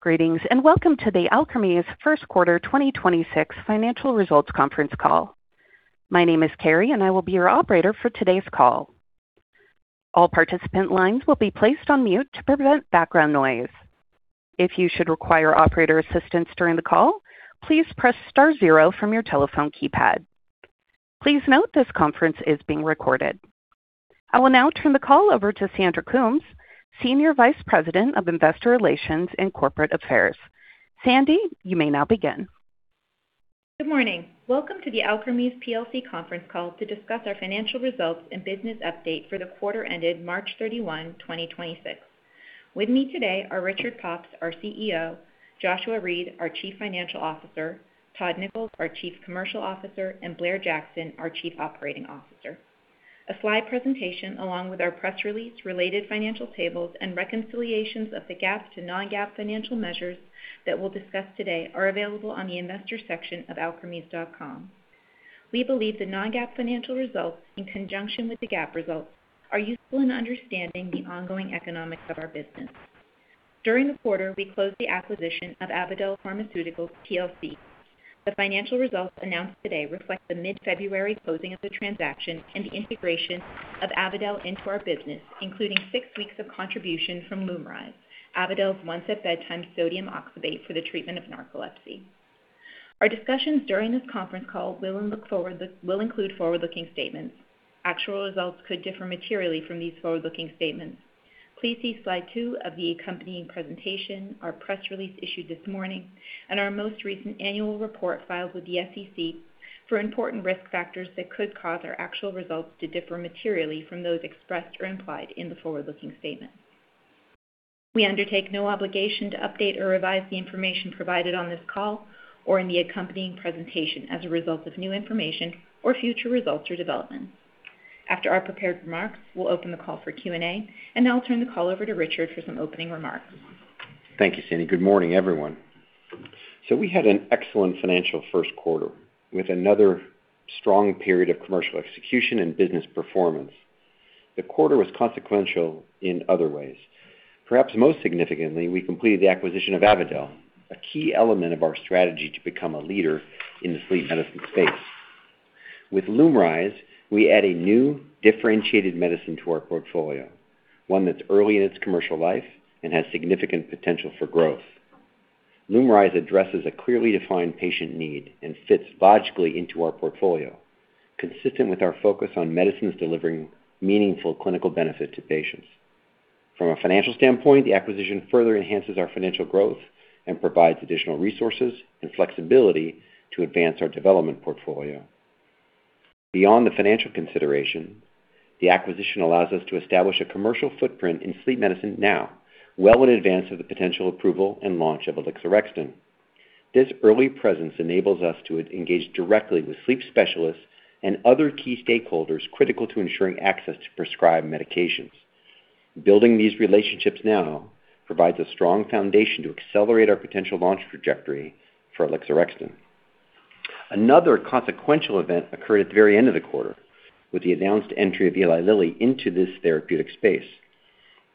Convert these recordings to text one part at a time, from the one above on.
Greetings, and welcome to the Alkermes First Quarter 2026 Financial Results Conference Call. My name is Carrie, and I will be your operator for today's call. All participant lines will be placed on mute to prevent background noise. If you should require operator assistance during the call, please press star zero from your telephone keypad. Please note this conference is being recorded. I will now turn the call over to Sandy Coombs, Senior Vice President of Investor Relations and Corporate Affairs. Sandy, you may now begin. Good morning. Welcome to the Alkermes plc conference call to discuss our financial results and business update for the quarter ended March 31, 2026. With me today are Richard Pops, our CEO, Joshua Reed, our Chief Financial Officer, Todd Nichols, our Chief Commercial Officer, and Blair Jackson, our Chief Operating Officer. A slide presentation along with our press release, related financial tables, and reconciliations of the GAAP to non-GAAP financial measures that we'll discuss today are available on the Investors section of alkermes.com. We believe that non-GAAP financial results, in conjunction with the GAAP results, are useful in understanding the ongoing economics of our business. During the quarter, we closed the acquisition of Avadel Pharmaceuticals PLC. The financial results announced today reflect the mid-February closing of the transaction and the integration of Avadel into our business, including six weeks of contribution from LUMRYZ, Avadel's once-at-bedtime sodium oxybate for the treatment of narcolepsy. Our discussions during this conference call will include forward-looking statements. Actual results could differ materially from these forward-looking statements. Please see slide two of the accompanying presentation, our press release issued this morning, and our most recent annual report filed with the SEC for important risk factors that could cause our actual results to differ materially from those expressed or implied in the forward-looking statements. We undertake no obligation to update or revise the information provided on this call or in the accompanying presentation as a result of new information or future results or developments. After our prepared remarks, we'll open the call for Q&A. Now I'll turn the call over to Richard for some opening remarks. Thank you, Sandy. Good morning, everyone. We had an excellent financial first quarter with another strong period of commercial execution and business performance. The quarter was consequential in other ways. Perhaps most significantly, we completed the acquisition of Avadel, a key element of our strategy to become a leader in the sleep medicine space. With LUMRYZ, we add a new differentiated medicine to our portfolio, one that's early in its commercial life and has significant potential for growth. LUMRYZ addresses a clearly defined patient need and fits logically into our portfolio, consistent with our focus on medicines delivering meaningful clinical benefit to patients. From a financial standpoint, the acquisition further enhances our financial growth and provides additional resources and flexibility to advance our development portfolio. Beyond the financial consideration, the acquisition allows us to establish a commercial footprint in sleep medicine now, well in advance of the potential approval and launch of alixorexton. This early presence enables us to engage directly with sleep specialists and other key stakeholders critical to ensuring access to prescribed medications. Building these relationships now provides a strong foundation to accelerate our potential launch trajectory for alixorexton. Another consequential event occurred at the very end of the quarter with the announced entry of Eli Lilly into this therapeutic space.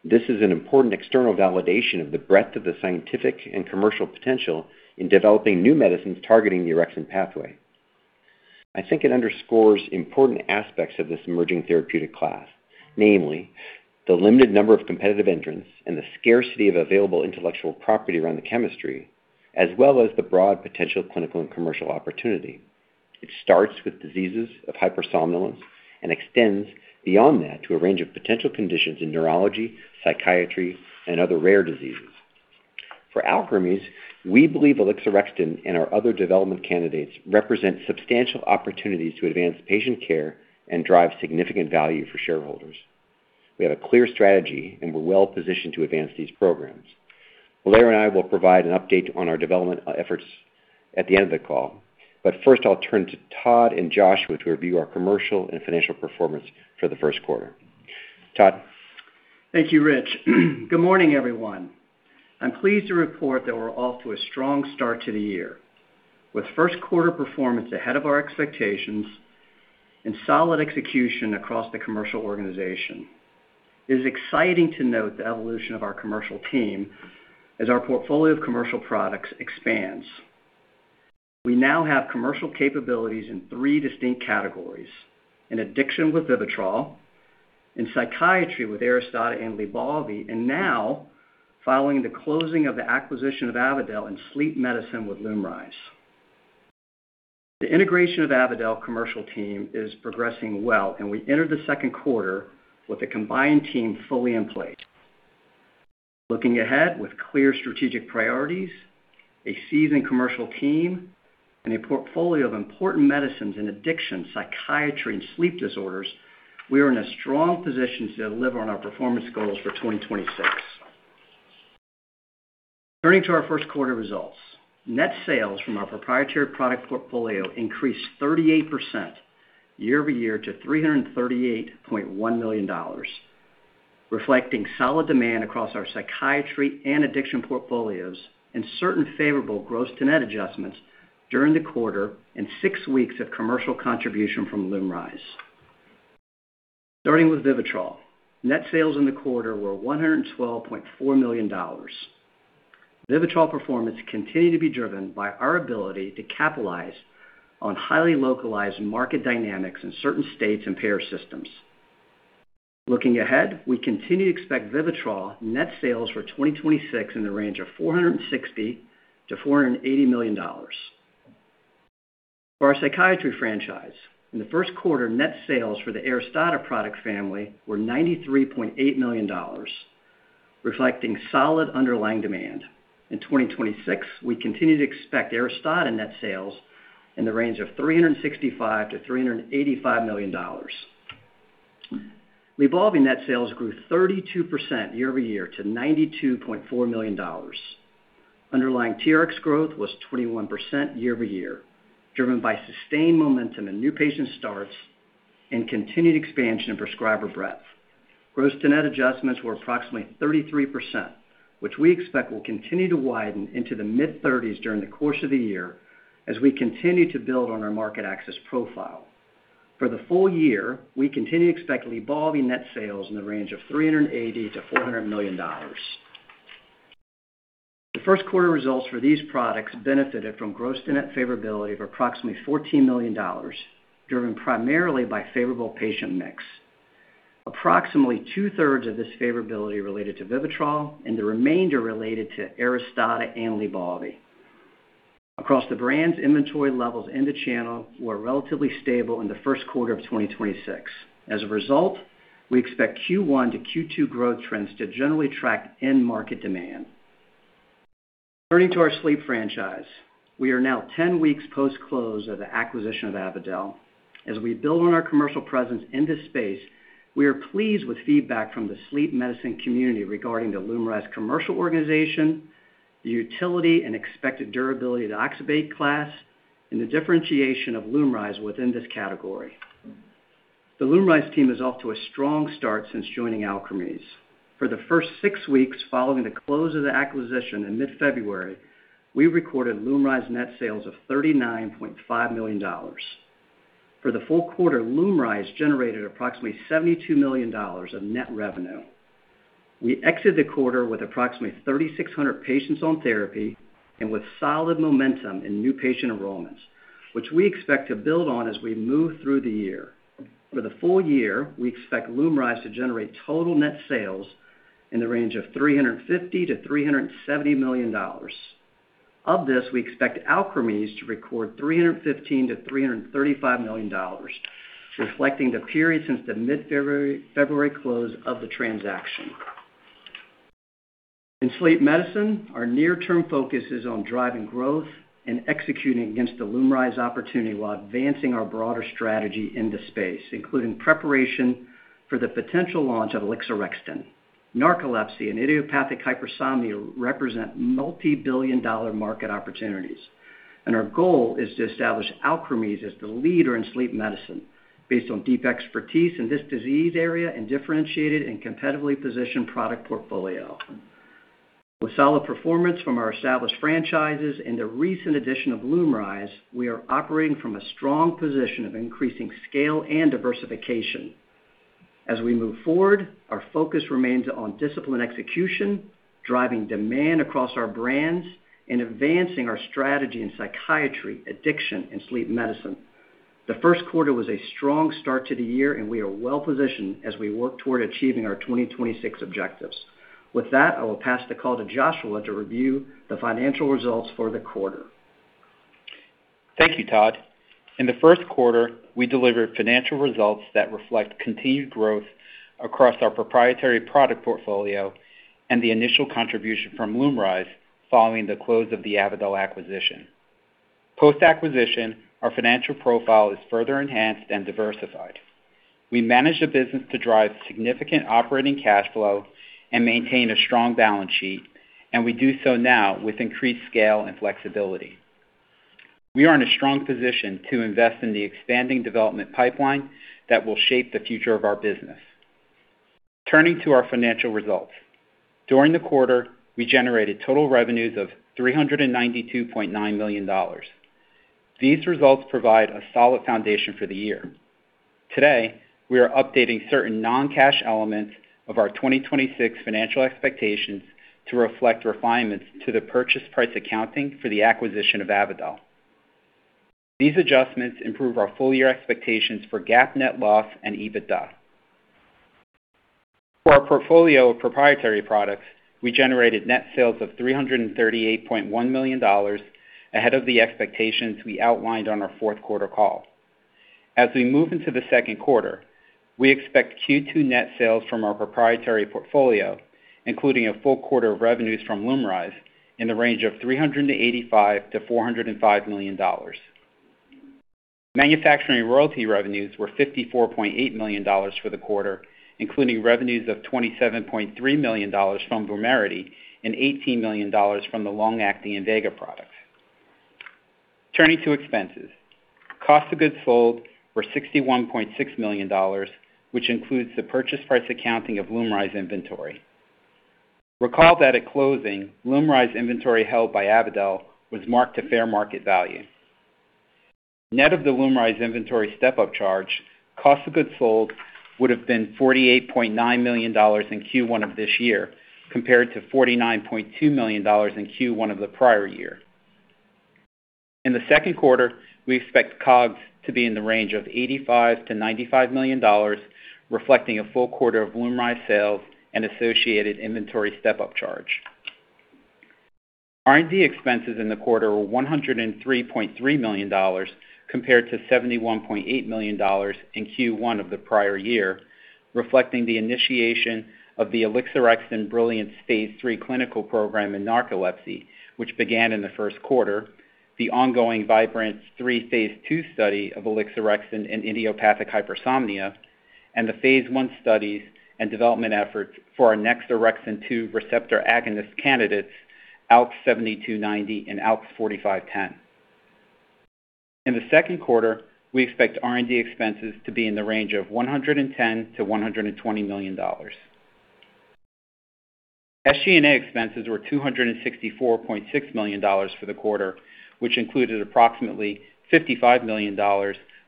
This is an important external validation of the breadth of the scientific and commercial potential in developing new medicines targeting the orexin pathway. I think it underscores important aspects of this emerging therapeutic class, namely the limited number of competitive entrants and the scarcity of available intellectual property around the chemistry, as well as the broad potential clinical and commercial opportunity. It starts with diseases of hypersomnolence and extends beyond that to a range of potential conditions in neurology, psychiatry, and other rare diseases. For Alkermes, we believe alixorexton and our other development candidates represent substantial opportunities to advance patient care and drive significant value for shareholders. We have a clear strategy, and we're well-positioned to advance these programs. Blair and I will provide an update on our development efforts at the end of the call. First, I'll turn to Todd and Joshua to review our commercial and financial performance for the first quarter. Todd? Thank you, Rich. Good morning, everyone. I'm pleased to report that we're off to a strong start to the year, with first quarter performance ahead of our expectations and solid execution across the commercial organization. It is exciting to note the evolution of our commercial team as our portfolio of commercial products expands. We now have commercial capabilities in three distinct categories: in addiction with VIVITROL, in psychiatry with ARISTADA and LYBALVI, and now, following the closing of the acquisition of Avadel, in sleep medicine with LUMRYZ. The integration of Avadel commercial team is progressing well. We entered the second quarter with a combined team fully in place. Looking ahead with clear strategic priorities, a seasoned commercial team, and a portfolio of important medicines in addiction, psychiatry, and sleep disorders, we are in a strong position to deliver on our performance goals for 2026. Turning to our first quarter results. Net sales from our proprietary product portfolio increased 38% year-over-year to $338.1 million, reflecting solid demand across our psychiatry and addiction portfolios and certain favorable gross to net adjustments during the quarter and six weeks of commercial contribution from LUMRYZ. Starting with VIVITROL, net sales in the quarter were $112.4 million. VIVITROL performance continued to be driven by our ability to capitalize on highly localized market dynamics in certain states and payer systems. Looking ahead, we continue to expect VIVITROL net sales for 2026 in the range of $460 million-$480 million. For our psychiatry franchise, in the first quarter, net sales for the ARISTADA product family were $93.8 million, reflecting solid underlying demand. In 2026, we continue to expect ARISTADA net sales in the range of $365 million-$385 million. LYBALVI net sales grew 32% year-over-year to $92.4 million. Underlying TRX growth was 21% year-over-year, driven by sustained momentum in new patient starts and continued expansion of prescriber breadth. Gross-to-net adjustments were approximately 33%, which we expect will continue to widen into the mid-30s during the course of the year as we continue to build on our market access profile. For the full year, we continue to expect LYBALVI net sales in the range of $380 million-$400 million. The first quarter results for these products benefited from gross-to-net favorability of approximately $14 million, driven primarily by favorable patient mix. Approximately two-thirds of this favorability related to VIVITROL and the remainder related to ARISTADA and LYBALVI. Across the brands, inventory levels in the channel were relatively stable in the first quarter of 2026. As a result, we expect Q1-Q2 growth trends to generally track end market demand. Turning to our sleep franchise. We are now 10 weeks post-close of the acquisition of Avadel. As we build on our commercial presence in this space, we are pleased with feedback from the sleep medicine community regarding the LUMRYZ commercial organization, the utility and expected durability of the sodium oxybate class, and the differentiation of LUMRYZ within this category. The LUMRYZ team is off to a strong start since joining Alkermes. For the first six weeks following the close of the acquisition in mid-February, we recorded LUMRYZ net sales of $39.5 million. For the full quarter, LUMRYZ generated approximately $72 million of net revenue. We exited the quarter with approximately 3,600 patients on therapy and with solid momentum in new patient enrollments, which we expect to build on as we move through the year. For the full year, we expect LUMRYZ to generate total net sales in the range of $350 million-$370 million. Of this, we expect Alkermes to record $315 million-$335 million, reflecting the period since the mid-February, February close of the transaction. In sleep medicine, our near-term focus is on driving growth and executing against the LUMRYZ opportunity while advancing our broader strategy in this space, including preparation for the potential launch of alixorexton. Narcolepsy and idiopathic hypersomnia represent multi-billion dollar market opportunities, and our goal is to establish Alkermes as the leader in sleep medicine based on deep expertise in this disease area and differentiated and competitively positioned product portfolio. With solid performance from our established franchises and the recent addition of LUMRYZ, we are operating from a strong position of increasing scale and diversification. As we move forward, our focus remains on disciplined execution, driving demand across our brands, and advancing our strategy in psychiatry, addiction, and sleep medicine. The first quarter was a strong start to the year, and we are well-positioned as we work toward achieving our 2026 objectives. With that, I will pass the call to Joshua to review the financial results for the quarter. Thank you, Todd. In the first quarter, we delivered financial results that reflect continued growth across our proprietary product portfolio and the initial contribution from LUMRYZ following the close of the Avadel acquisition. Post-acquisition, our financial profile is further enhanced and diversified. We manage a business to drive significant operating cash flow and maintain a strong balance sheet. We do so now with increased scale and flexibility. We are in a strong position to invest in the expanding development pipeline that will shape the future of our business. Turning to our financial results. During the quarter, we generated total revenues of $392.9 million. These results provide a solid foundation for the year. Today, we are updating certain non-cash elements of our 2026 financial expectations to reflect refinements to the purchase price accounting for the acquisition of Avadel. These adjustments improve our full-year expectations for GAAP net loss and EBITDA. For our portfolio of proprietary products, we generated net sales of $338.1 million ahead of the expectations we outlined on our fourth quarter call. As we move into the second quarter, we expect Q2 net sales from our proprietary portfolio, including a full quarter of revenues from LUMRYZ, in the range of $385 million-$405 million. Manufacturing royalty revenues were $54.8 million for the quarter, including revenues of $27.3 million from VUMERITY and $18 million from the long-acting INVEGA product. Turning to expenses. Cost of goods sold were $61.6 million, which includes the purchase price accounting of LUMRYZ inventory. Recall that at closing, LUMRYZ's inventory held by Avadel was marked to fair market value. Net of the LUMRYZ's inventory step-up charge, cost of goods sold would have been $48.9 million in Q1 of this year, compared to $49.2 million in Q1 of the prior year. In the second quarter, we expect COGS to be in the range of $85 million-$95 million, reflecting a full quarter of LUMRYZ sales and associated inventory step-up charge. R&D expenses in the quarter were $103.3 million, compared to $71.8 million in Q1 of the prior year, reflecting the initiation of the alixorexton Brilliance phase III clinical program in narcolepsy, which began in the first quarter, the ongoing Vibrance-3 phase II study of alixorexton in idiopathic hypersomnia, and the Phase I studies and development efforts for our next orexin 2 receptor agonist candidates, ALKS 7290 and ALKS 4510. In the second quarter, we expect R&D expenses to be in the range of $110 million-$120 million. SG&A expenses were $264.6 million for the quarter, which included approximately $55 million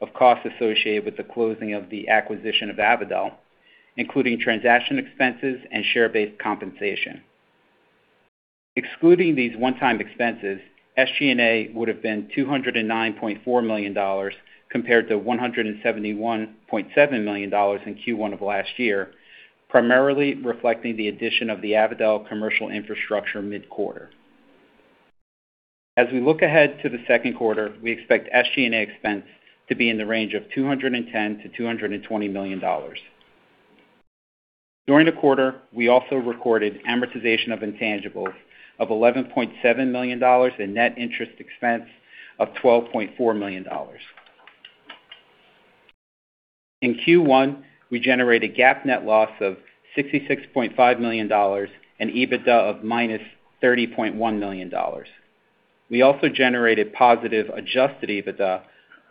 of costs associated with the closing of the acquisition of Avadel, including transaction expenses and share-based compensation. Excluding these one-time expenses, SG&A would have been $209.4 million compared to $171.7 million in Q1 of last year, primarily reflecting the addition of the Avadel commercial infrastructure mid-quarter. As we look ahead to the second quarter, we expect SG&A expense to be in the range of $210 million-$220 million. During the quarter, we also recorded amortization of intangibles of $11.7 million and net interest expense of $12.4 million. In Q1, we generated GAAP net loss of $66.5 million and EBITDA of -$30.1 million. We also generated positive adjusted EBITDA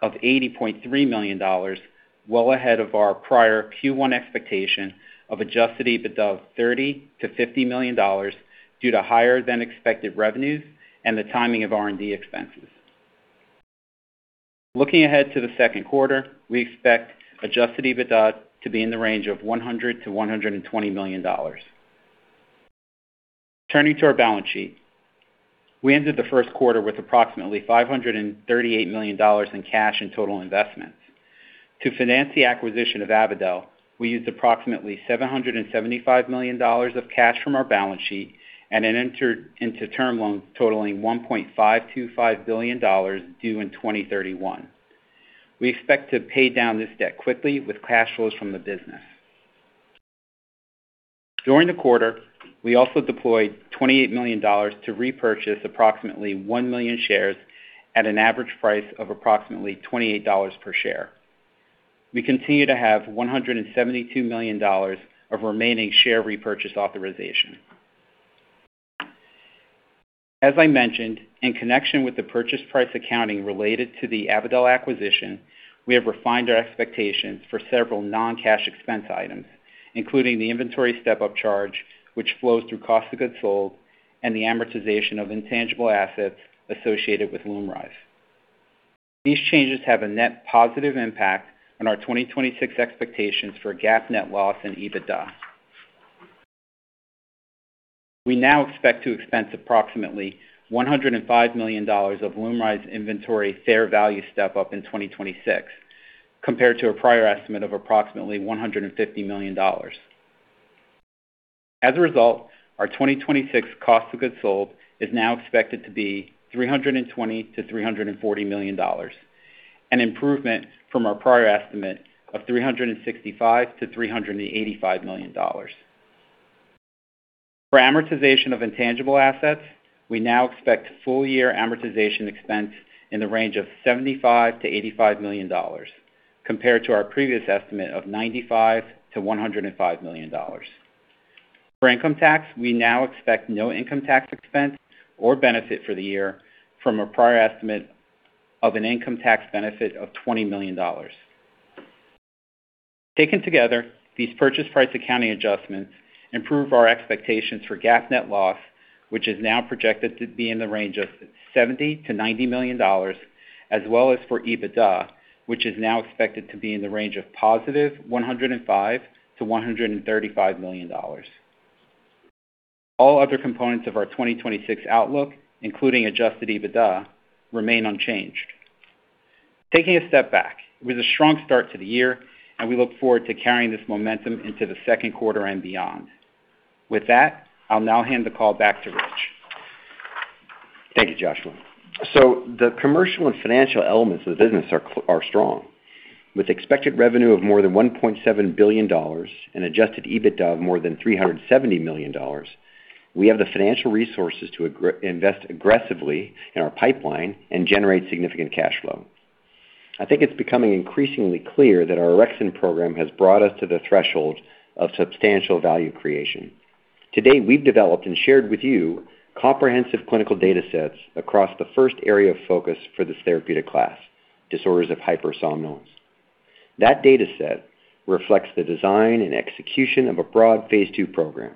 of $80.3 million, well ahead of our prior Q1 expectation of adjusted EBITDA of $30 million-$50 million due to higher-than-expected revenues and the timing of R&D expenses. Looking ahead to the second quarter, we expect adjusted EBITDA to be in the range of $100 million-$120 million. Turning to our balance sheet. We ended the first quarter with approximately $538 million in cash and total investments. To finance the acquisition of Avadel, we used approximately $775 million of cash from our balance sheet and then entered into term loans totaling $1.525 billion due in 2031. We expect to pay down this debt quickly with cash flows from the business. During the quarter, we also deployed $28 million to repurchase approximately 1 million shares at an average price of approximately $28 per share. We continue to have $172 million of remaining share repurchase authorization. As I mentioned, in connection with the purchase price accounting related to the Avadel acquisition, we have refined our expectations for several non-cash expense items, including the inventory step-up charge, which flows through cost of goods sold, and the amortization of intangible assets associated with LUMRYZ. These changes have a net positive impact on our 2026 expectations for GAAP net loss in EBITDA. We now expect to expense approximately $105 million of LUMRYZ's inventory fair value step-up in 2026, compared to a prior estimate of approximately $150 million. Our 2026 cost of goods sold is now expected to be $320 million-$340 million, an improvement from our prior estimate of $365 million-$385 million. For amortization of intangible assets, we now expect full-year amortization expense in the range of $75 million-$85 million, compared to our previous estimate of $95 million-$105 million. For income tax, we now expect no income tax expense or benefit for the year from a prior estimate of an income tax benefit of $20 million. Taken together, these purchase price accounting adjustments improve our expectations for GAAP net loss, which is now projected to be in the range of $70 million-$90 million, as well as for EBITDA, which is now expected to be in the range of +$105 million-$135 million. All other components of our 2026 outlook, including adjusted EBITDA, remain unchanged. Taking a step back, it was a strong start to the year, we look forward to carrying this momentum into the second quarter and beyond. With that, I'll now hand the call back to Rich. Thank you, Joshua. The commercial and financial elements of the business are strong. With expected revenue of more than $1.7 billion and adjusted EBITDA of more than $370 million, we have the financial resources to invest aggressively in our pipeline and generate significant cash flow. I think it's becoming increasingly clear that our orexin program has brought us to the threshold of substantial value creation. To date, we've developed and shared with you comprehensive clinical data sets across the first area of focus for this therapeutic class, disorders of hypersomnolence. That data set reflects the design and execution of a broad phase II program,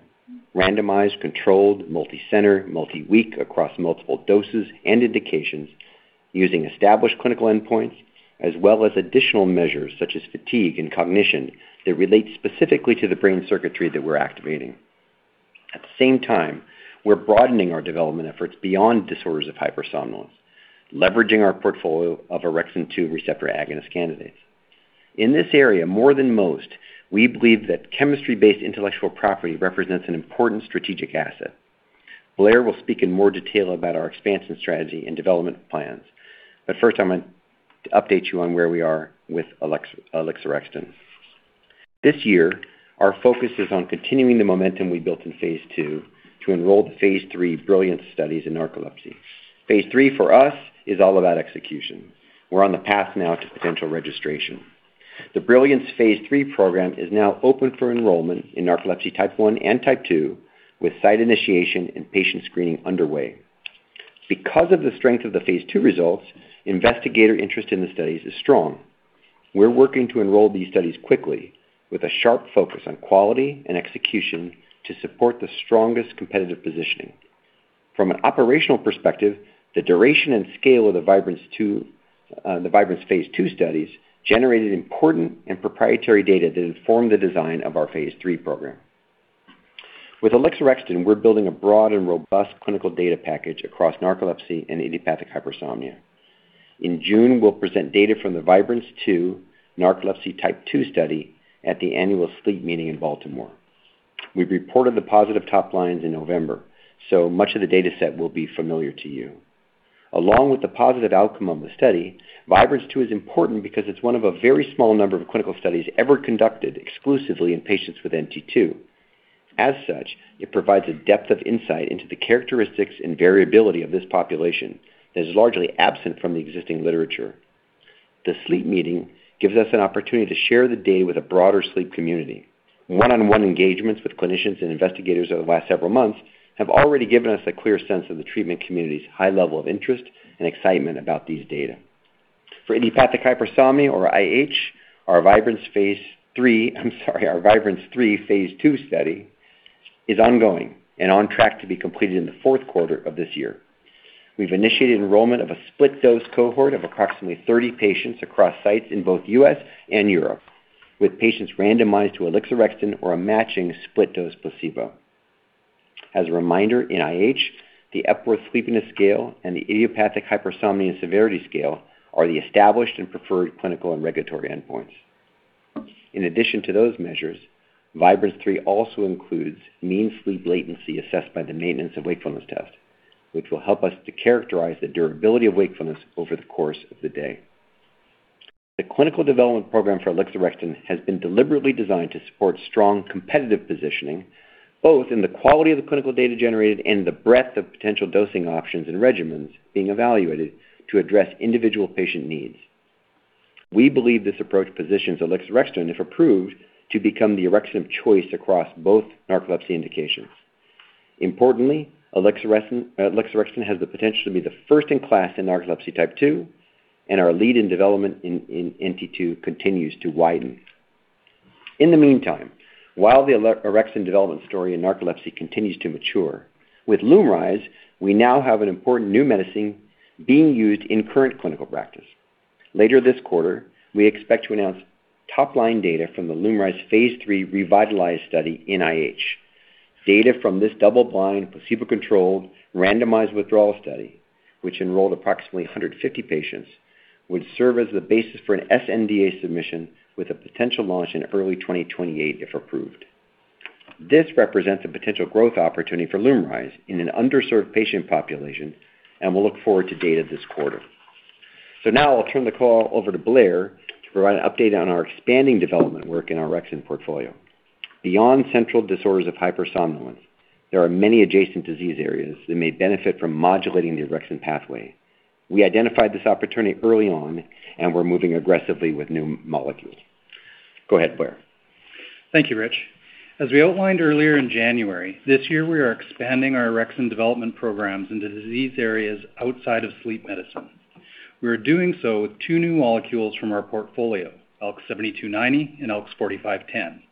randomized, controlled, multicenter, multi-week across multiple doses and indications using established clinical endpoints as well as additional measures such as fatigue and cognition that relate specifically to the brain circuitry that we're activating. At the same time, we're broadening our development efforts beyond disorders of hypersomnolence, leveraging our portfolio of orexin 2 receptor agonist candidates. In this area, more than most, we believe that chemistry-based intellectual property represents an important strategic asset. Blair will speak in more detail about our expansion strategy and development plans. First, I want to update you on where we are with alixorexton. This year, our focus is on continuing the momentum we built in phase II to enroll the phase III BRILLIANT studies in narcolepsy. Phase III for us is all about execution. We're on the path now to potential registration. The BRILLIANT phase III program is now open for enrollment in narcolepsy Type 1 and Type 2, with site initiation and patient screening underway. Because of the strength of the phase II results, investigator's interest in the studies is strong. We're working to enroll these studies quickly with a sharp focus on quality and execution to support the strongest competitive positioning. From an operational perspective, the duration and scale of the Vibrance-2, the Vibrance phase II studies generated important and proprietary data that informed the design of our phase III program. With alixorexton, we're building a broad and robust clinical data package across narcolepsy and idiopathic hypersomnia. In June, we'll present data from the Vibrance-2 narcolepsy Type 2 study at the annual sleep meeting in Baltimore. We've reported the positive top lines in November, much of the data set will be familiar to you. Along with the positive outcome of the study, Vibrance-2 is important because it's one of a very small number of clinical studies ever conducted exclusively in patients with NT2. As such, it provides a depth of insight into the characteristics and variability of this population that is largely absent from the existing literature. The sleep meeting gives us an opportunity to share the data with a broader sleep community. One-on-one engagements with clinicians and investigators over the last several months have already given us a clear sense of the treatment community's high level of interest and excitement about these data. For idiopathic hypersomnia, or IH, our Vibrance-3 phase II study is ongoing and on track to be completed in the fourth quarter of this year. We've initiated enrollment of a split-dose cohort of approximately 30 patients across sites in both U.S. and Europe, with patients randomized to alixorexton or a matching split-dose placebo. As a reminder, in IH, the Epworth Sleepiness Scale and the Idiopathic Hypersomnia Severity Scale are the established and preferred clinical and regulatory endpoints. In addition to those measures, Vibrance-3 also includes mean sleep latency assessed by the maintenance and wakefulness test, which will help us to characterize the durability of wakefulness over the course of the day. The clinical development program for alixorexton has been deliberately designed to support strong competitive positioning, both in the quality of the clinical data generated and the breadth of potential dosing options and regimens being evaluated to address individual patient needs. We believe this approach positions alixorexton, if approved, to become the orexin of choice across both narcolepsy indications. Importantly, alixorexton has the potential to be the first in class in narcolepsy Type 2, and our lead in development in NT2 continues to widen. In the meantime, while the orexin development story in narcolepsy continues to mature, with LUMRYZ, we now have an important new medicine being used in current clinical practice. Later this quarter, we expect to announce top-line data from the LUMRYZ phase III REVITALYZ study in IH. Data from this double-blind, placebo-controlled, randomized withdrawal study, which enrolled approximately 150 patients, would serve as the basis for an sNDA submission with a potential launch in early 2028 if approved. This represents a potential growth opportunity for LUMRYZ in an underserved patient population, and we'll look forward to data this quarter. Now I'll turn the call over to Blair to provide an update on our expanding development work in our orexin portfolio. Beyond central disorders of hypersomnolence, there are many adjacent disease areas that may benefit from modulating the orexin pathway. We identified this opportunity early on, and we're moving aggressively with new molecules. Go ahead, Blair. Thank you, Rich. As we outlined earlier in January, this year we are expanding our orexin development programs into disease areas outside of sleep medicine. We are doing so with two new molecules from our portfolio, ALKS 7290 and ALKS 4510.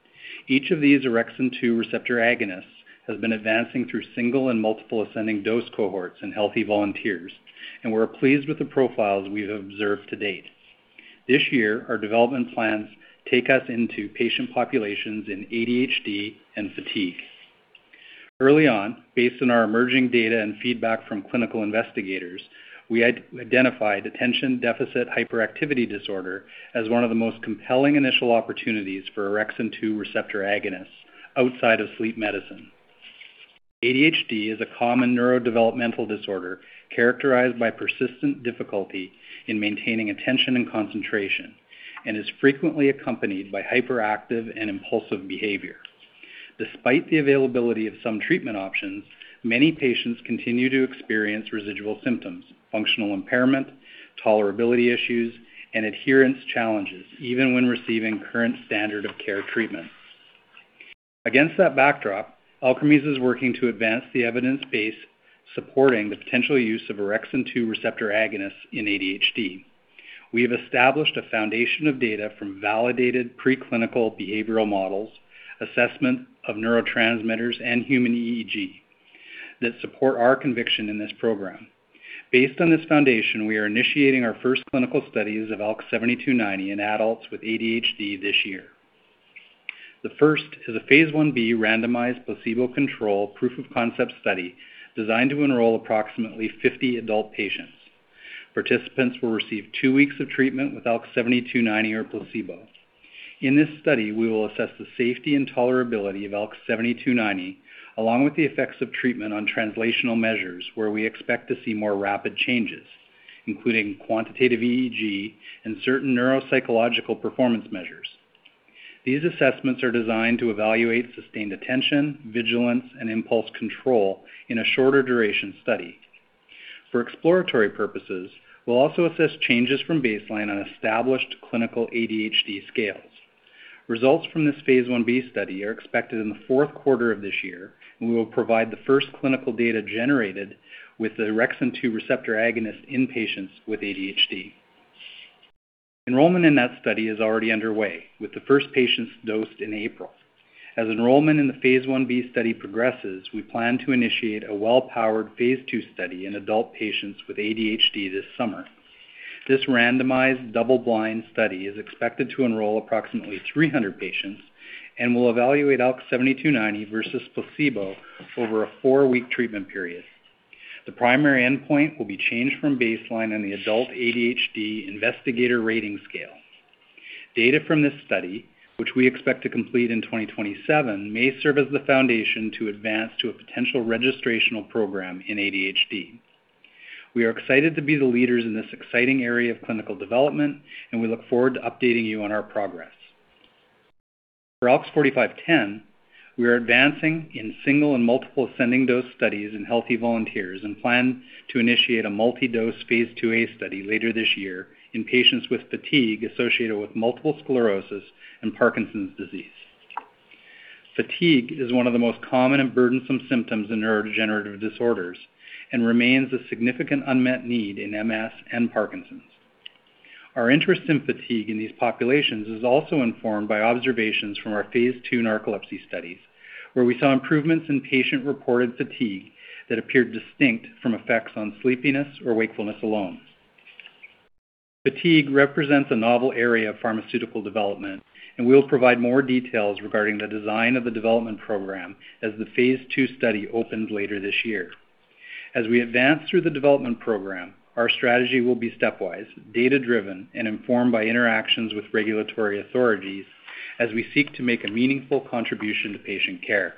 Each of these orexin 2 receptor agonists has been advancing through single and multiple ascending dose cohorts in healthy volunteers, and we're pleased with the profiles we have observed to date. This year, our development plans take us into patient populations in ADHD and fatigue. Early on, based on our emerging data and feedback from clinical investigators, we identified attention-deficit hyperactivity disorder as one of the most compelling initial opportunities for orexin 2 receptor agonists outside of sleep medicine. ADHD is a common neurodevelopmental disorder characterized by persistent difficulty in maintaining attention and concentration and is frequently accompanied by hyperactive and impulsive behavior. Despite the availability of some treatment options, many patients continue to experience residual symptoms, functional impairment, tolerability issues, and adherence challenges even when receiving current standard of care treatment. Against that backdrop, Alkermes is working to advance the evidence base supporting the potential use of orexin 2 receptor agonists in ADHD. We have established a foundation of data from validated preclinical behavioral models, assessment of neurotransmitters, and human EEG that support our conviction in this program. Based on this foundation, we are initiating our first clinical studies of ALKS 7290 in adults with ADHD this year. The first is a phase I-B randomized placebo-controlled proof-of-concept study designed to enroll approximately 50 adult patients. Participants will receive two weeks of treatment with ALKS 7290 or placebo. In this study, we will assess the safety and tolerability of ALKS 7290 along with the effects of treatment on translational measures where we expect to see more rapid changes, including quantitative EEG and certain neuropsychological performance measures. These assessments are designed to evaluate sustained attention, vigilance, and impulse control in a shorter duration study. For exploratory purposes, we'll also assess changes from baseline on established clinical ADHD scales. Results from this phase I-B study are expected in the fourth quarter of this year, and we will provide the first clinical data generated with the orexin 2 receptor agonist in patients with ADHD. Enrollment in that study is already underway, with the first patients dosed in April. As enrollment in the phase I-B study progresses, we plan to initiate a well-powered phase II study in adult patients with ADHD this summer. This randomized double-blind study is expected to enroll approximately 300 patients and will evaluate ALKS 7290 versus placebo over a four-week treatment period. The primary endpoint will be change from baseline on the Adult ADHD Investigator Symptom Rating Scale. Data from this study, which we expect to complete in 2027, may serve as the foundation to advance to a potential registrational program in ADHD. We are excited to be the leaders in this exciting area of clinical development. We look forward to updating you on our progress. For ALKS 4510, we are advancing in single and multiple ascending dose studies in healthy volunteers and plan to initiate a multi-dose phase II-A study later this year in patients with fatigue associated with multiple sclerosis and Parkinson's disease. Fatigue is one of the most common and burdensome symptoms in neurodegenerative disorders and remains a significant unmet need in MS and Parkinson's. Our interest in fatigue in these populations is also informed by observations from our phase II narcolepsy studies, where we saw improvements in patient-reported fatigue that appeared distinct from effects on sleepiness or wakefulness alone. Fatigue represents a novel area of pharmaceutical development, and we'll provide more details regarding the design of the development program as the phase II study opens later this year. As we advance through the development program, our strategy will be stepwise, data-driven, and informed by interactions with regulatory authorities as we seek to make a meaningful contribution to patient care.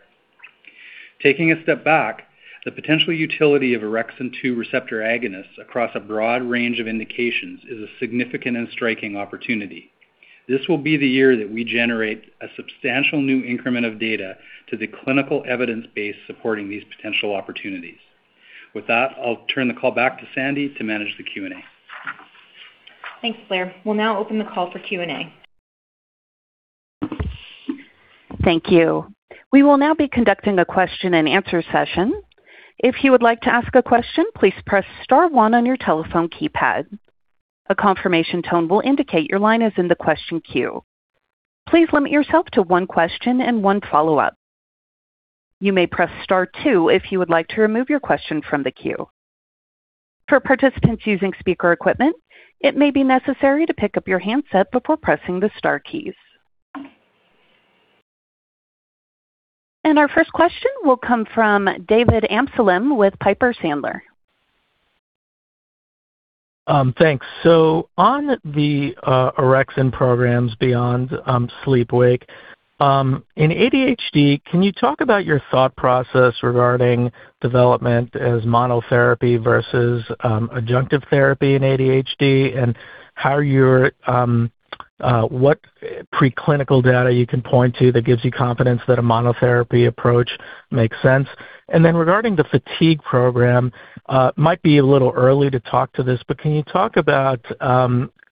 Taking a step back, the potential utility of orexin 2 receptor agonists across a broad range of indications is a significant and striking opportunity. This will be the year that we generate a substantial new increment of data to the clinical evidence base supporting these potential opportunities. With that, I'll turn the call back to Sandy to manage the Q&A. Thanks, Blair. We'll now open the call for Q&A. Thank you. We will now be conducting a question-and-answer session. If you would like to ask a question, please press star one on your telephone keypad. A confirmation tone will indicate your line is in the question queue. Please limit yourself to one question and one follow-up. You may press star two if you would like to remove your question from the queue. For participants using speaker equipment, it may be necessary to pick up your handset before pressing the star keys. Our first question will come from David Amsellem with Piper Sandler. Thanks. On the orexin programs beyond sleep-wake in ADHD, can you talk about your thought process regarding development as monotherapy versus adjunctive therapy in ADHD, and how you're what preclinical data you can point to that gives you confidence that a monotherapy approach makes sense? Regarding the fatigue program, might be a little early to talk to this, but can you talk about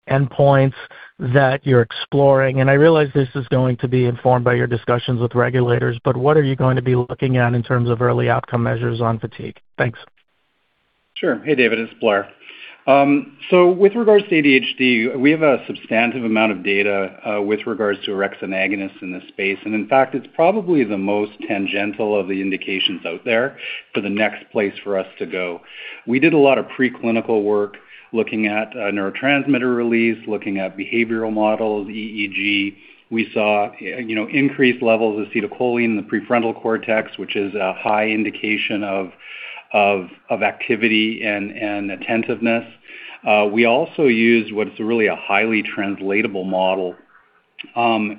endpoints that you're exploring? I realize this is going to be informed by your discussions with regulators, but what are you going to be looking at in terms of early outcome measures on fatigue? Thanks. Sure. Hey, David, it's Blair. With regards to ADHD, we have a substantive amount of data with regards to orexin agonists in this space. In fact, it's probably the most tangential of the indications out there for the next place for us to go. We did a lot of preclinical work looking at neurotransmitter release, looking at behavioral models, EEG. We saw, you know, increased levels of acetylcholine in the prefrontal cortex, which is a high indication of activity and attentiveness. We also used what's really a highly translatable model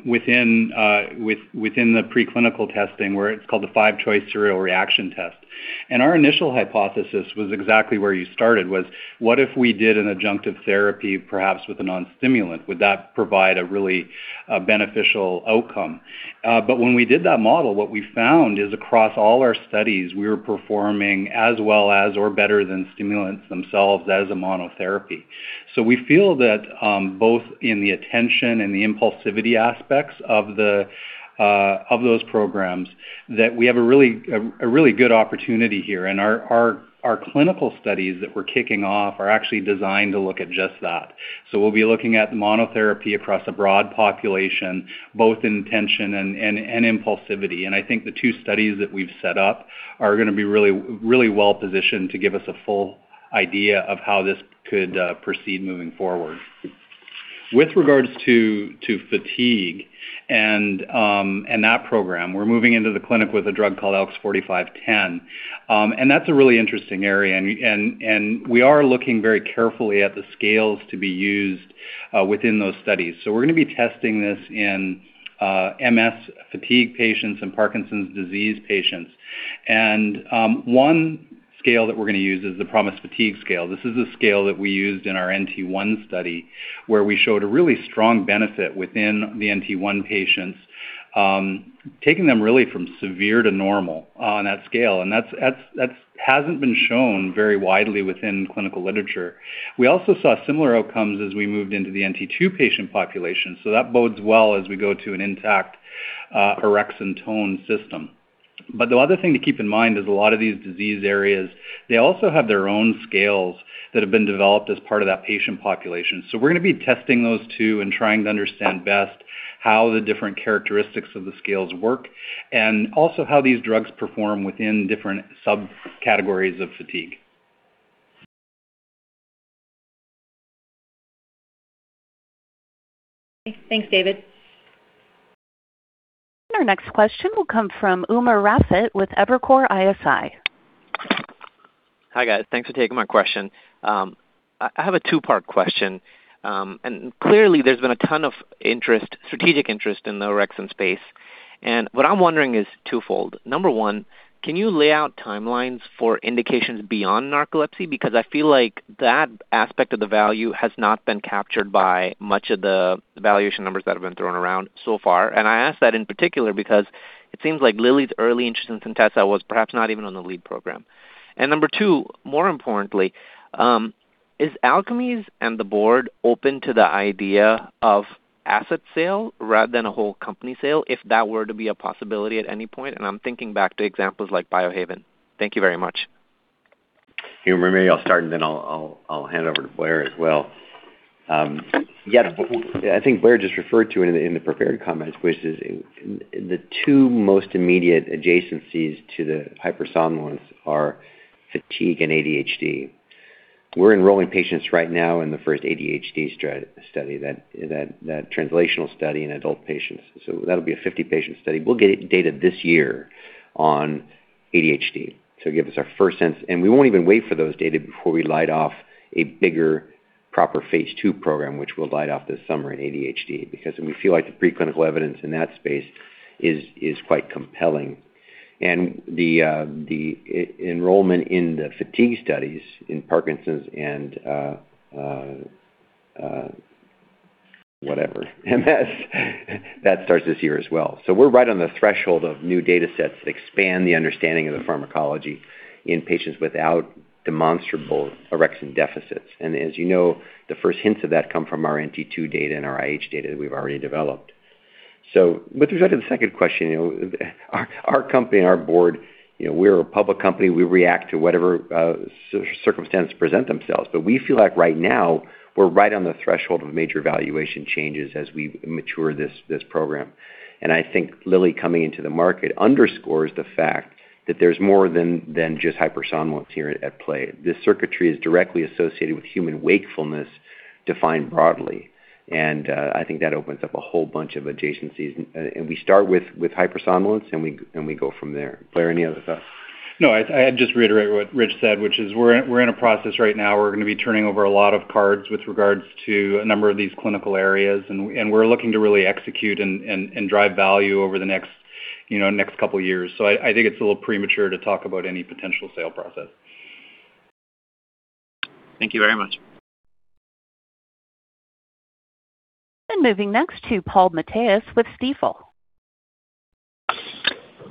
within the preclinical testing where it's called the five-choice serial reaction time task. Our initial hypothesis was exactly where you started, was what if we did an adjunctive therapy perhaps with a non-stimulant? Would that provide a really beneficial outcome? When we did that model, what we found is across all our studies, we were performing as well as or better than stimulants themselves as a monotherapy. We feel that, both in the attention and the impulsivity aspects of those programs that we have a really good opportunity here. Our clinical studies that we're kicking off are actually designed to look at just that. We'll be looking at monotherapy across a broad population, both in attention and impulsivity. I think the two studies that we've set up are gonna be really, really well-positioned to give us a full idea of how this could proceed moving forward. With regards to fatigue and that program, we're moving into the clinic with a drug called ALKS 4510. That's a really interesting area, and we are looking very carefully at the scales to be used within those studies. We're gonna be testing this in MS fatigue patients and Parkinson's disease patients. One scale that we're gonna use is the PROMIS Fatigue Scale. This is a scale that we used in our NT1 study, where we showed a really strong benefit within the NT1 patients, taking them really from severe to normal on that scale. That's hasn't been shown very widely within clinical literature. We also saw similar outcomes as we moved into the NT2 patient population, that bodes well as we go to an intact orexin tone system. The other thing to keep in mind is a lot of these disease areas, they also have their own scales that have been developed as part of that patient population. We're gonna be testing those too and trying to understand best how the different characteristics of the scales work and also how these drugs perform within different subcategories of fatigue. Thanks, David. Our next question will come from Umer Raffat with Evercore ISI. Hi, guys. Thanks for taking my question. I have a two-part question. Clearly there's been a ton of interest, strategic interest in the orexin space, and what I'm wondering is twofold. Number one, can you lay out timelines for indications beyond narcolepsy? I feel like that aspect of the value has not been captured by much of the valuation numbers that have been thrown around so far. I ask that in particular because it seems like Lilly's early interest in Centessa Pharmaceuticals was perhaps not even on the lead program. Number two, more importantly, is Alkermes and the board open to the idea of asset sale rather than a whole company sale if that were to be a possibility at any point? I'm thinking back to examples like Biohaven. Thank you very much. You know, Umer, maybe I'll start, and then I'll hand it over to Blair as well. Yeah, I think Blair just referred to it in the prepared comments, which is the two most immediate adjacencies to the hypersomnolence are fatigue and ADHD. We're enrolling patients right now in the first ADHD study, that translational study in adult patients. That'll be a 50-patient study. We'll get data this year on ADHD to give us our first sense. We won't even wait for those data before we light off a bigger proper phase II program, which we'll light off this summer in ADHD because we feel like the preclinical evidence in that space is quite compelling. The enrollment in the fatigue studies in Parkinson's and whatever, MS, that starts this year as well. We're right on the threshold of new data sets that expand the understanding of the pharmacology in patients without demonstrable orexin deficits. As you know, the first hints of that come from our NT2 data and our IH data that we've already developed. With regard to the second question, you know, our company and our board, you know, we're a public company, we react to whatever circumstances present themselves. We feel like right now we're right on the threshold of major valuation changes as we mature this program. I think Lilly coming into the market underscores the fact that there's more than just hypersomnolence here at play. This circuitry is directly associated with human wakefulness, defined broadly, and I think that opens up a whole bunch of adjacencies. We start with hypersomnolence, and we go from there. Blair, any other thoughts? No, I just reiterate what Rich said, which is we're in a process right now. We're gonna be turning over a lot of cards with regards to a number of these clinical areas, and we're looking to really execute and drive value over the next, you know, next couple years. I think it's a little premature to talk about any potential sale process. Thank you very much. Moving next to Paul Matteis with Stifel.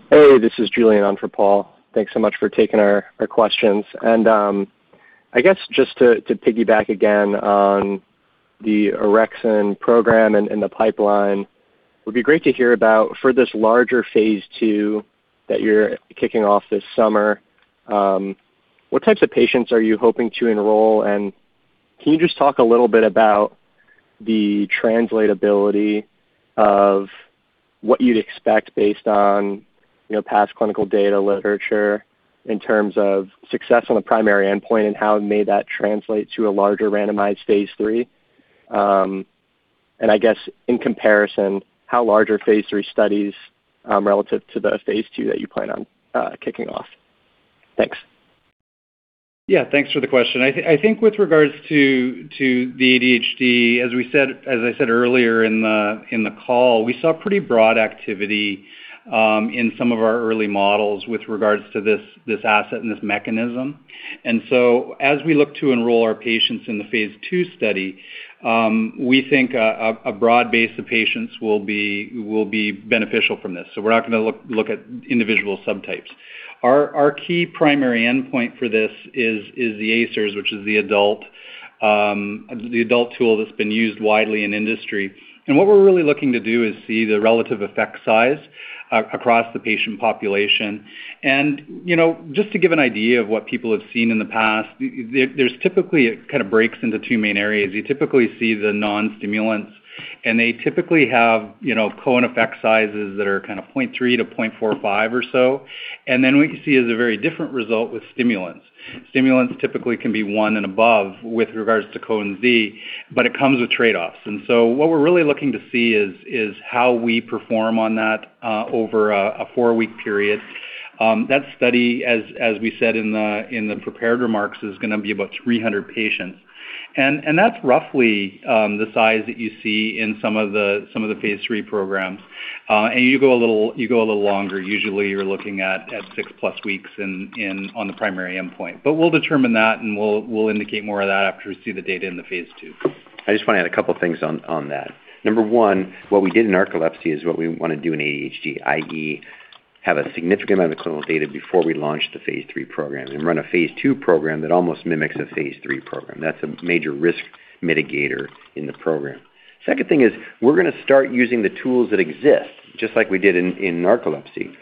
Hey, this is Julian on for Paul. Thanks so much for taking our questions. I guess just to piggyback again on the orexin program and the pipeline, it would be great to hear about for this larger phase II that you're kicking off this summer, what types of patients are you hoping to enroll? Can you just talk a little bit about the translatability of what you'd expect based on, you know, past clinical data literature in terms of success on the primary endpoint and how may that translate to a larger randomized phase III? I guess in comparison, how large are phase III studies, relative to the phase II that you plan on kicking off? Thanks. Yeah. Thanks for the question. I think with regards to the ADHD, as we said, as I said earlier in the call, we saw pretty broad activity in some of our early models with regards to this asset and this mechanism. As we look to enroll our patients in the phase II study, we think a broad base of patients will be beneficial from this. We're not gonna look at individual subtypes. Our key primary endpoint for this is the AISRS, which is the adult, the adult tool that's been used widely in industry. What we're really looking to do is see the relative effect size across the patient population. You know, just to give an idea of what people have seen in the past, there's typically it kind of breaks into two main areas. You typically see the non-stimulants, they typically have, you know, Cohen's d effect sizes that are kind of 0.3 to 0.45 or so. What you see is a very different result with stimulants. Stimulants typically can be one and above with regards to Cohen's d, it comes with trade-offs. What we're really looking to see is how we perform on that over a four-week period. That study, as we said in the prepared remarks, is gonna be about 300 patients. That's roughly the size that you see in some of the phase III programs. You go a little longer. Usually, you're looking at six-plus weeks on the primary endpoint. We'll determine that, and we'll indicate more of that after we see the data in the phase II. I just wanna add a couple things on that. Number one, what we did in narcolepsy is what we wanna do in ADHD, i.e., have a significant amount of clinical data before we launch the phase III program and run a phase II program that almost mimics a phase III program. That's a major risk mitigator in the program. Second thing is we're gonna start using the tools that exist, just like we did in narcolepsy.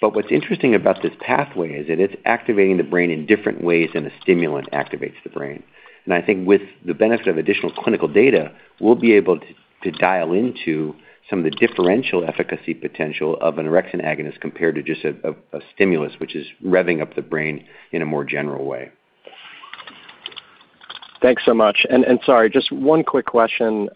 What's interesting about this pathway is that it's activating the brain in different ways than a stimulant activates the brain. I think with the benefit of additional clinical data, we'll be able to dial into some of the differential efficacy potential of an orexin agonist compared to just a stimulus, which is revving up the brain in a more general way. Thanks so much. Sorry, just one quick question,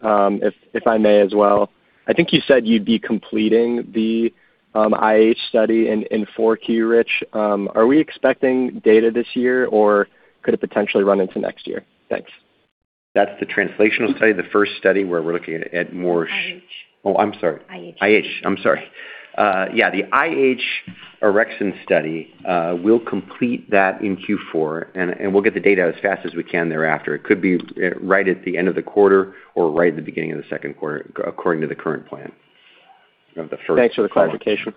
if I may as well. I think you said you'd be completing the IH study in 4Q, Rich. Are we expecting data this year, or could it potentially run into next year? Thanks. That's the translational study, the first study where we're looking at more. IH. Oh, I'm sorry. IH. IH. I'm sorry. Yeah, the IH orexin study, we'll complete that in Q4, and we'll get the data as fast as we can thereafter. It could be right at the end of the quarter or right at the beginning of the second quarter, according to the current plan of the first- Thanks for the clarification.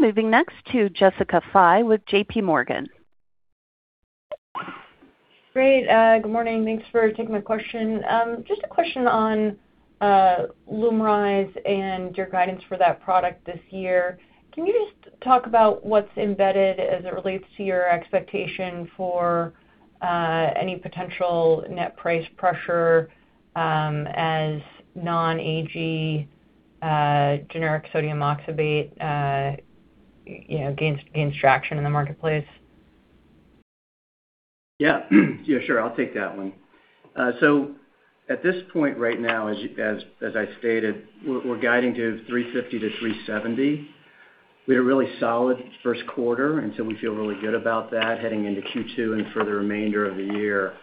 Moving next to Jessica Fye with JPMorgan. Great. Good morning. Thanks for taking my question. Just a question on LUMRYZ and your guidance for that product this year. Can you just talk about what's embedded as it relates to your expectation for any potential net price pressure as non-AG generic sodium oxybate, you know, gains traction in the marketplace? Yeah. Yeah, sure. I'll take that one. At this point right now, as I stated, we're guiding to $350-$370. We had a really solid first quarter. We feel really good about that heading into Q2 and for the remainder of the year.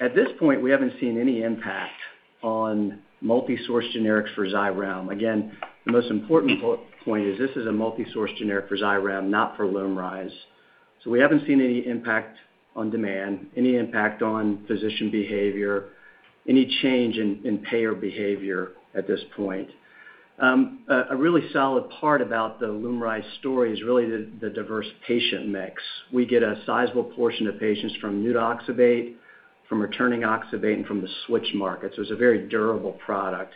At this point, we haven't seen any impact on multi-source generics for XYREM. Again, the most important point is this is a multi-source generic for XYREM, not for LUMRYZ. We haven't seen any impact on demand, any impact on physician behavior, any change in payer behavior at this point. A really solid part about the LUMRYZ story is really the diverse patient mix. We get a sizable portion of patients from new oxybate, from returning oxybate, and from the switch markets. It's a very durable product.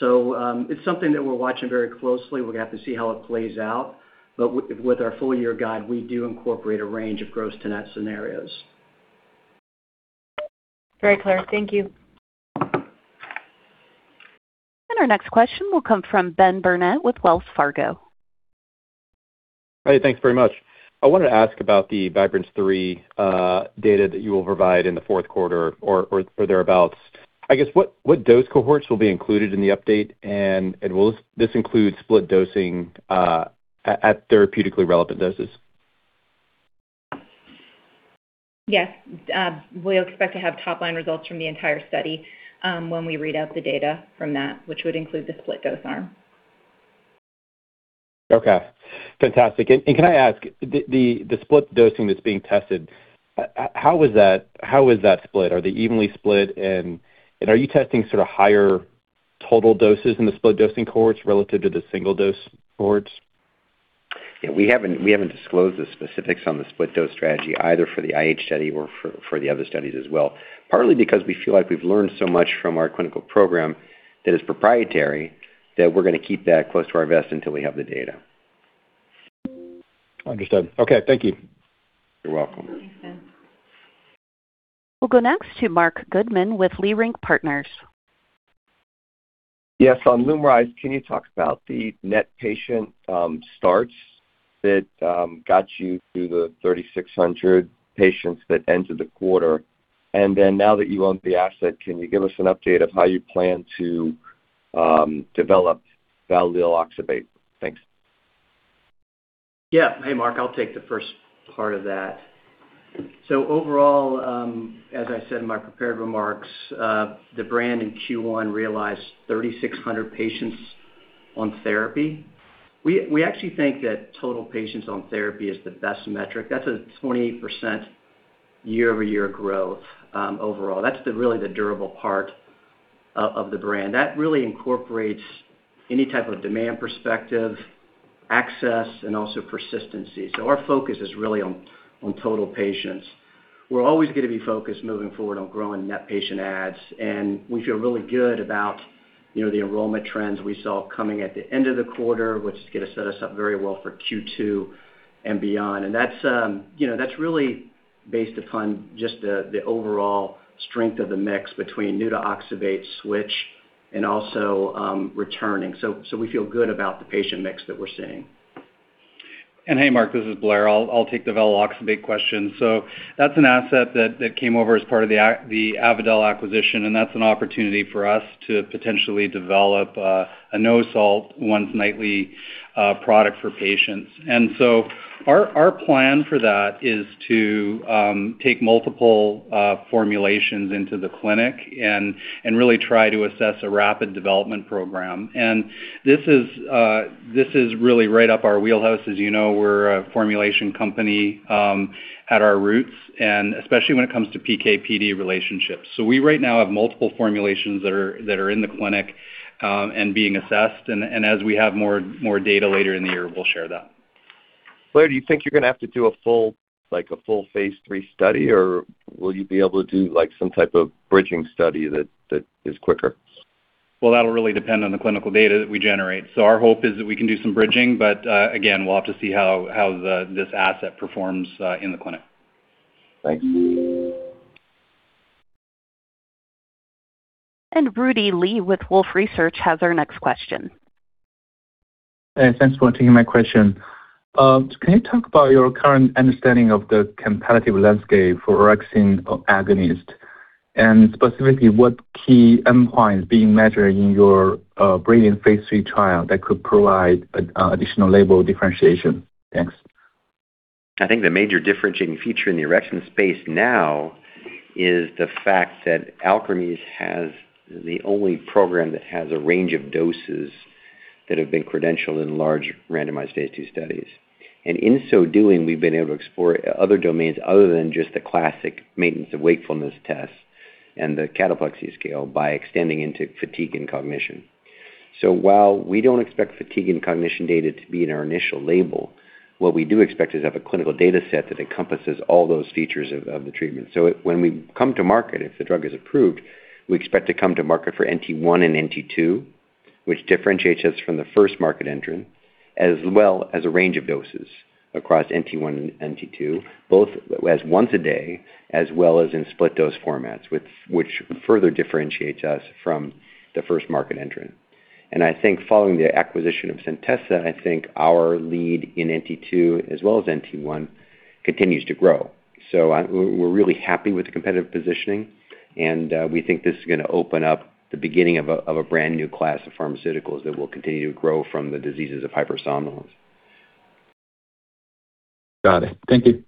It's something that we're watching very closely. We'll have to see how it plays out. With our full year guide, we do incorporate a range of gross to net scenarios. Very clear. Thank you. Our next question will come from Ben Burnett with Wells Fargo. Hey, thanks very much. I wanted to ask about the Vibrance-3 data that you will provide in the fourth quarter or thereabouts. I guess, what dose cohorts will be included in the update? Will this include split dosing at therapeutically relevant doses? Yes. We expect to have top-line results from the entire study, when we read out the data from that, which would include the split dose arm. Okay. Fantastic. Can I ask, the split dosing that's being tested, how is that split? Are they evenly split? Are you testing sort of higher total doses in the split dosing cohorts relative to the single dose cohorts? Yeah, we haven't disclosed the specifics on the split dose strategy either for the IH study or for the other studies as well, partly because we feel like we've learned so much from our clinical program that is proprietary that we're gonna keep that close to our vest until we have the data. Understood. Okay, thank you. You're welcome. We'll go next to Marc Goodman with Leerink Partners. Yes. On LUMRYZ, can you talk about the net patient starts that got you through the 3,600 patients that ended the quarter? Now that you own the asset, can you give us an update of how you plan to develop valdecoxib? Thanks. Yeah. Hey, Marc. I'll take the first part of that. overall, as I said in my prepared remarks, the brand in Q1 realized 3,600 patients on therapy. We actually think that total patients on therapy is the best metric. That's a 28% year-over-year growth, overall. That's the durable part of the brand. That really incorporates any type of demand perspective, access, and also persistency. Our focus is really on total patients. We're always gonna be focused moving forward on growing net patient adds, and we feel really good about, you know, the enrollment trends we saw coming at the end of the quarter, which is gonna set us up very well for Q2 and beyond. That's, you know, that's really based upon just the overall strength of the mix between new to oxybate switch and also, returning. We feel good about the patient mix that we're seeing. Hey, Marc, this is Blair. I'll take the valdecoxib question. That's an asset that came over as part of the Avadel acquisition, and that's an opportunity for us to potentially develop a no-salt once-nightly product for patients. Our plan for that is to take multiple formulations into the clinic and really try to assess a rapid development program. This is really right up our wheelhouse. As you know, we're a formulation company at our roots, and especially when it comes to PK/PD relationships. We right now have multiple formulations that are in the clinic and being assessed. As we have more data later in the year, we'll share that. Blair, do you think you're gonna have to do a full, like, a full phase III study? Or will you be able to do, like, some type of bridging study that is quicker? That'll really depend on the clinical data that we generate. Our hope is that we can do some bridging, again, we'll have to see how this asset performs in the clinic. Thanks. Rudy Li with Wolfe Research has our next question. Thanks for taking my question. Can you talk about your current understanding of the competitive landscape for orexin agonist? Specifically, what key endpoints being measured in your Brilliance phase III trial that could provide additional label differentiation? Thanks. I think the major differentiating feature in the orexin space now is the fact that Alkermes has the only program that has a range of doses that have been credentialed in large randomized phase II studies. In so doing, we've been able to explore other domains other than just the classic Maintenance of Wakefulness Test and the cataplexy scale by extending into fatigue and cognition. While we don't expect fatigue and cognition data to be in our initial label, what we do expect is to have a clinical data set that encompasses all those features of the treatment. When we come to market, if the drug is approved, we expect to come to market for NT1 and NT2, which differentiates us from the first market entrant, as well as a range of doses across NT1 and NT2, both as once a day as well as in split dose formats, which further differentiates us from the first market entrant. I think following the acquisition of Centessa Pharmaceuticals, I think our lead in NT2 as well as NT1 continues to grow. We're really happy with the competitive positioning, and we think this is gonna open up the beginning of a brand-new class of pharmaceuticals that will continue to grow from the diseases of hypersomnolence. Got it. Thank you.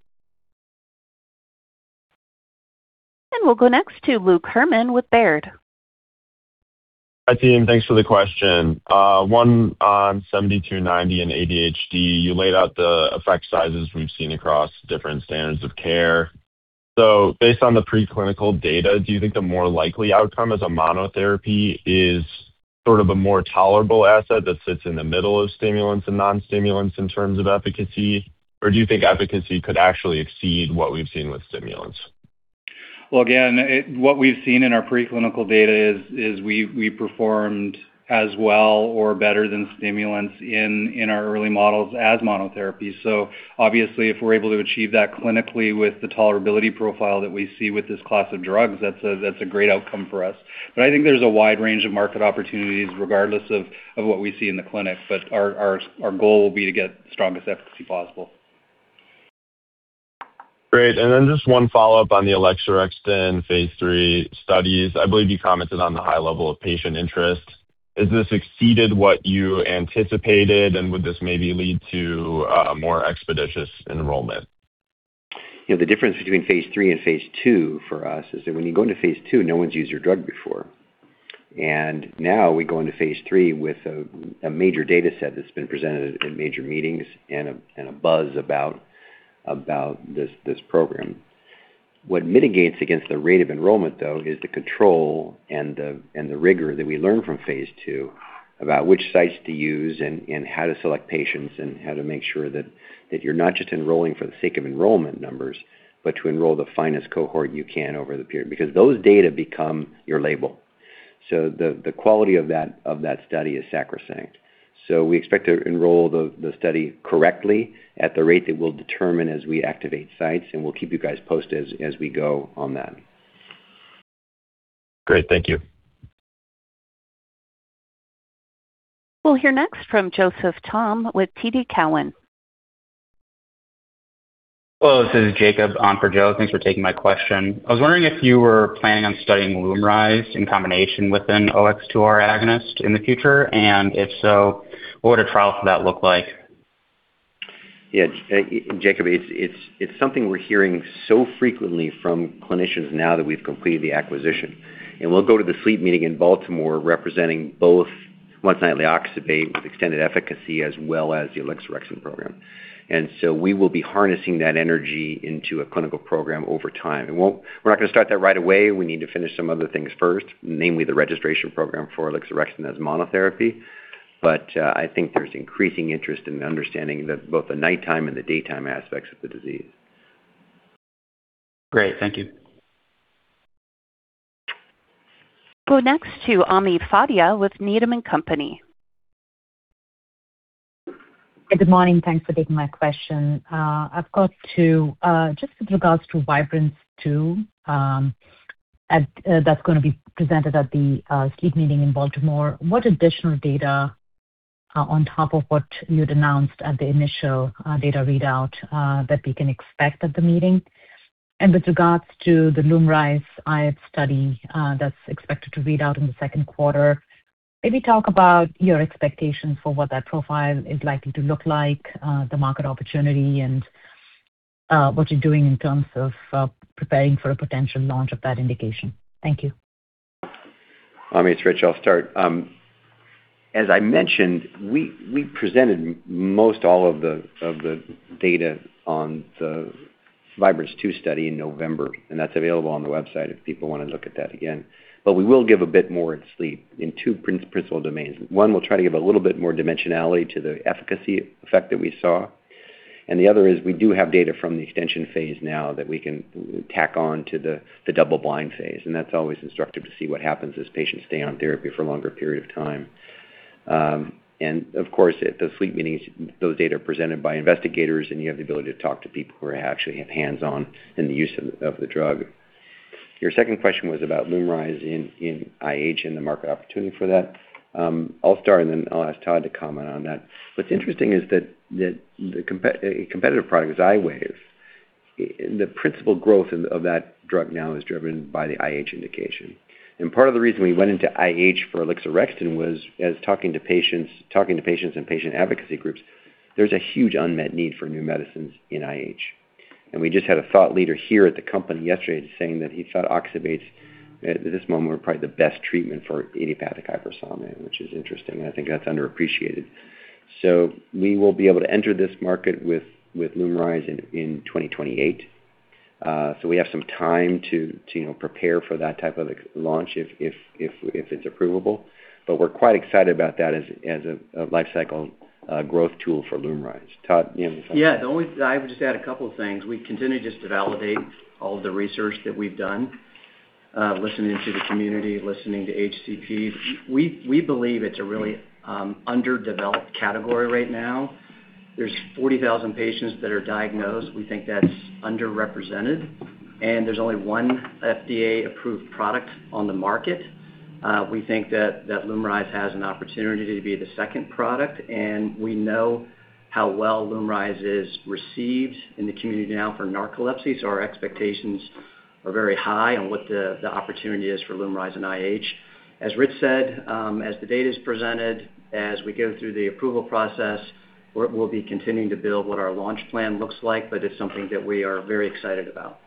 We'll go next to Luke Herrmann with Baird. Hi, team. Thanks for the question. One on ALKS 7290 and ADHD. You laid out the effect sizes we've seen across different standards of care. Based on the preclinical data, do you think the more likely outcome as a monotherapy is sort of a more tolerable asset that sits in the middle of stimulants and non-stimulants in terms of efficacy? Or do you think efficacy could actually exceed what we've seen with stimulants? Well, again, what we've seen in our preclinical data is, we performed as well or better than stimulants in our early models as monotherapy. Obviously, if we're able to achieve that clinically with the tolerability profile that we see with this class of drugs, that's a great outcome for us. I think there's a wide range of market opportunities regardless of what we see in the clinic. Our goal will be to get the strongest efficacy possible. Great. Just one follow-up on the alixorexton phase III studies. I believe you commented on the high level of patient interest. Has this exceeded what you anticipated, and would this maybe lead to a more expeditious enrollment? You know, the difference between phase III and phase II for us is that when you go into phase II, no one's used your drug before. Now we go into phase III with a major data set that's been presented in major meetings and a buzz about this program. What mitigates against the rate of enrollment, though, is the control and the rigor that we learn from phase II about which sites to use and how to select patients and how to make sure that you're not just enrolling for the sake of enrollment numbers, but to enroll the finest cohort you can over the period. Those data become your label. The quality of that study is sacrosanct. We expect to enroll the study correctly at the rate that we'll determine as we activate sites, and we'll keep you guys posted as we go on that. Great. Thank you. We'll hear next from Joseph Thome with TD Cowen. Hello, this is Jacob on for Joe. Thanks for taking my question. I was wondering if you were planning on studying LUMRYZ in combination with an OX2R agonist in the future. If so, what would a trial for that look like? Yeah, Jacob, it's something we're hearing so frequently from clinicians now that we've completed the acquisition. We'll go to the sleep meeting in Baltimore representing both once-nightly sodium oxybate with extended efficacy as well as the alixorexton program. We will be harnessing that energy into a clinical program over time. We're not gonna start that right away. We need to finish some other things first, namely the registration program for alixorexton as monotherapy. I think there's increasing interest in understanding both the nighttime and the daytime aspects of the disease. Great. Thank you. Go next to Ami Fadia with Needham & Company. Good morning. Thanks for taking my question. I've got two. Just with regards to Vibrance-2, that's going to be presented at the sleep meeting in Baltimore, what additional data, on top of what you'd announced at the initial data readout, that we can expect at the meeting? With regards to the LUMRYZ IH study, that's expected to read out in the second quarter, maybe talk about your expectations for what that profile is likely to look like, the market opportunity and what you're doing in terms of, preparing for a potential launch of that indication. Thank you. Ami, it's Rich. I'll start. As I mentioned, we presented most all of the data on the Vibrance-2 study in November, and that's available on the website if people wanna look at that again. We will give a bit more at sleep in two principal domains. One, we'll try to give a little bit more dimensionality to the efficacy effect that we saw. The other is we do have data from the extension phase now that we can tack on to the double-blind phase, and that's always instructive to see what happens as patients stay on therapy for a longer period of time. Of course, at the sleep meetings, those data are presented by investigators, and you have the ability to talk to people who actually have hands-on in the use of the drug. Your second question was about LUMRYZ in IH and the market opportunity for that. I'll start, and then I'll ask Todd to comment on that. What's interesting is that the competitive product is XYWAV. The principal growth of that drug now is driven by the IH indication. Part of the reason we went into IH for alixorexton was as talking to patients and patient advocacy groups, there's a huge unmet need for new medicines in IH. We just had a thought leader here at the company yesterday saying that he thought oxybates at this moment were probably the best treatment for idiopathic hypersomnia, which is interesting, and I think that's underappreciated. We will be able to enter this market with LUMRYZ in 2028. We have some time to, you know, prepare for that type of a launch if it's approvable. We're quite excited about that as a lifecycle, growth tool for LUMRYZ. Todd, you have any thoughts? Yeah. I would just add a couple of things. We continue just to validate all of the research that we've done, listening to the community, listening to HCP. We believe it's a really underdeveloped category right now. There's 40,000 patients that are diagnosed. We think that's underrepresented, there's only one FDA-approved product on the market. We think that LUMRYZ has an opportunity to be the second product, and we know how well LUMRYZ is received in the community now for narcolepsy, so our expectations are very high on what the opportunity is for LUMRYZ and IH. As Rich said, as the data is presented, as we go through the approval process, we'll be continuing to build what our launch plan looks like, but it's something that we are very excited about.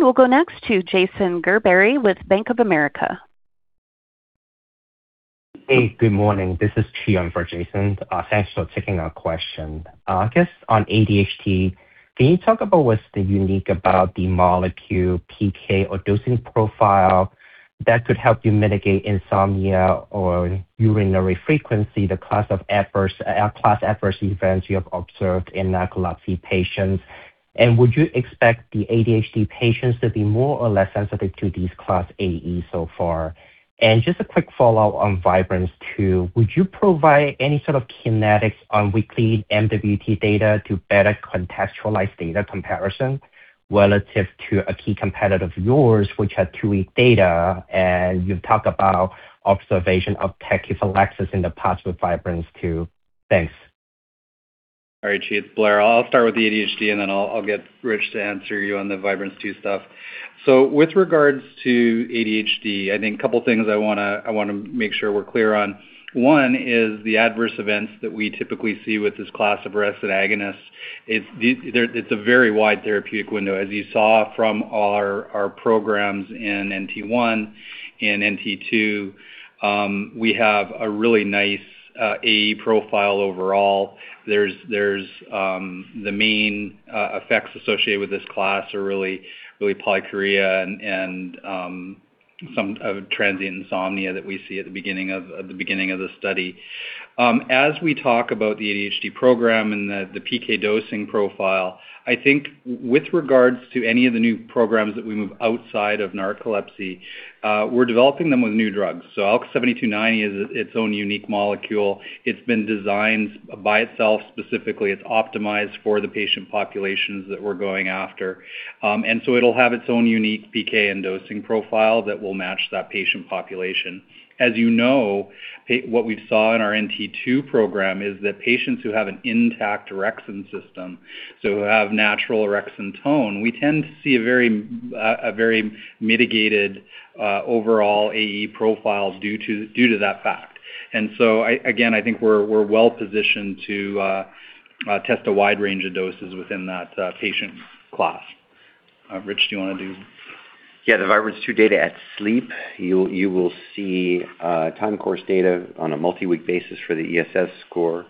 We'll go next to Jason Gerberry with Bank of America. Hey, good morning. This is Chi Fong for Jason. Thanks for taking our question. I guess on ADHD, can you talk about what's unique about the molecule PK or dosing profile that could help you mitigate insomnia or urinary frequency, the class of adverse class adverse events you have observed in narcolepsy patients? Would you expect the ADHD patients to be more or less sensitive to these class AE so far? Just a quick follow-up on Vibrance-2. Would you provide any sort of kinetics on weekly MWT data to better contextualize data comparison relative to a key competitor of yours, which had two-week data, and you've talked about observation of tachyphylaxis in the past with Vibrance-2. Thanks. All right, Chi. It's Blair. I'll start with the ADHD, then I'll get Rich to answer you on the Vibrance-2 stuff. With regards to ADHD, I think a couple of things I wanna make sure we're clear on. One is the adverse events that we typically see with this class of orexin agonist. It's a very wide therapeutic window. As you saw from our programs in NT1 and NT2, we have a really nice AE profile overall. The main effects associated with this class are polyuria and some transient insomnia that we see at the beginning of the study. As we talk about the ADHD program and the PK dosing profile, I think with regards to any of the new programs that we move outside of narcolepsy, we're developing them with new drugs. ALKS 7290 is its own unique molecule. It's been designed by itself specifically. It's optimized for the patient populations that we're going after. It'll have its own unique PK and dosing profile that will match that patient population. As you know, what we saw in our NT2 program is that patients who have an intact orexin system, who have natural orexin tone, we tend to see a very mitigated overall AE profile due to that fact. Again, I think we're well-positioned to test a wide range of doses within that patient class. Rich, do you wanna do? Yeah, the Vibrance-2 data at Sleep, you will see time course data on a multi-week basis for the ESS score.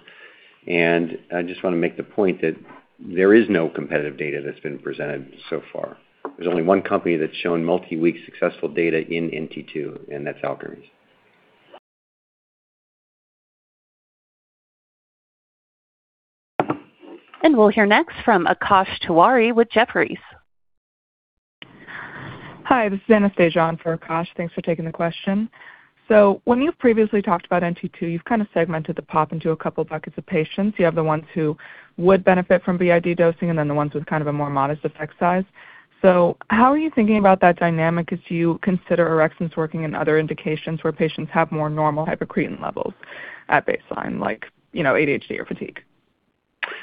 I just wanna make the point that there is no competitive data that's been presented so far. There's only one company that's shown multi-week successful data in NT2, and that's Alkermes. We'll hear next from Akash Tewari with Jefferies. Hi, this is Anastasia in for Akash. Thanks for taking the question. When you've previously talked about NT2, you've kind of segmented the pop into a couple buckets of patients. You have the ones who would benefit from BID dosing, and the ones with kind of a more modest effect size. How are you thinking about that dynamic as you consider orexins working in other indications where patients have more normal hypocretin levels at baseline, like, you know, ADHD or fatigue?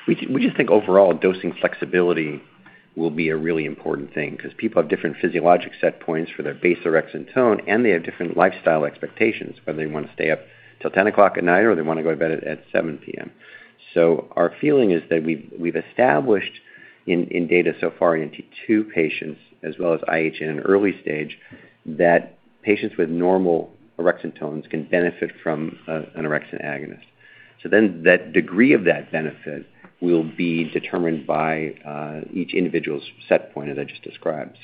We just think overall dosing flexibility will be a really important thing because people have different physiologic set points for their base orexin tone, and they have different lifestyle expectations, whether they want to stay up till 10:00 P.M. or they want to go to bed at 7:00 P.M. Our feeling is that we've established in data so far in NT2 patients as well as IH in an early stage, that patients with normal orexin tones can benefit from an orexin agonist. That degree of that benefit will be determined by each individual's set point, as I just described.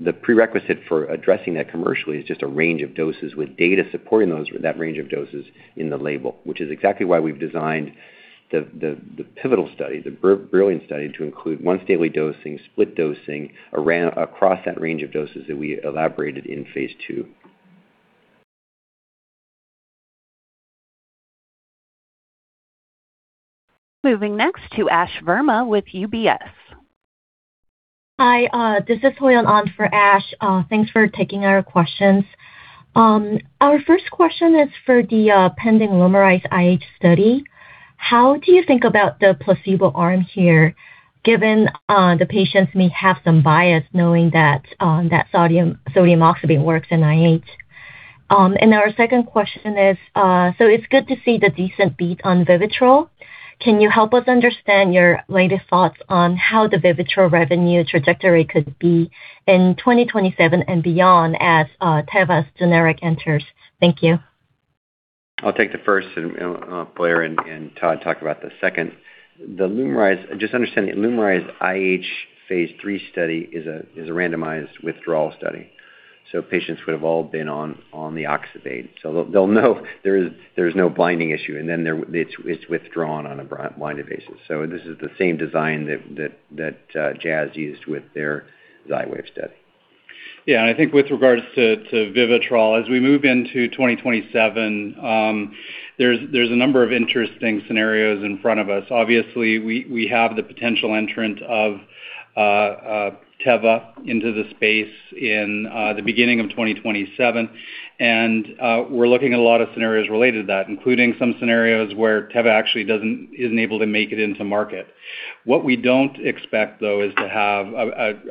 The prerequisite for addressing that commercially is just a range of doses with data supporting that range of doses in the label, which is exactly why we've designed the pivotal study, the Brilliance study to include once daily dosing, split dosing across that range of doses that we elaborated in phase II. Moving next to Ash Verma with UBS. Hi, this is Hoyon on for Ash. Thanks for taking our questions. Our first question is for the pending LUMRYZ IH study. How do you think about the placebo arm here, given the patients may have some bias knowing that sodium oxybate works in IH? Our second question is, it's good to see the decent beat on VIVITROL. Can you help us understand your latest thoughts on how the VIVITROL revenue trajectory could be in 2027 and beyond as Teva Pharmaceuticals' generic enters? Thank you. I'll take the first, and Blair and Todd talk about the second. Just understanding that LUMRYZ IH phase III study is a randomized withdrawal study. Patients would have all been on the sodium oxybate. They'll know there's no blinding issue, and then it's withdrawn on a blinded basis. This is the same design that Jazz Pharmaceuticals used with their XYWAV study. I think with regards to VIVITROL, as we move into 2027, there's a number of interesting scenarios in front of us. Obviously, we have the potential entrant of Teva Pharmaceuticals into the space in the beginning of 2027. We're looking at a lot of scenarios related to that, including some scenarios where Teva Pharmaceuticals actually isn't able to make it into market. What we don't expect, though, is to have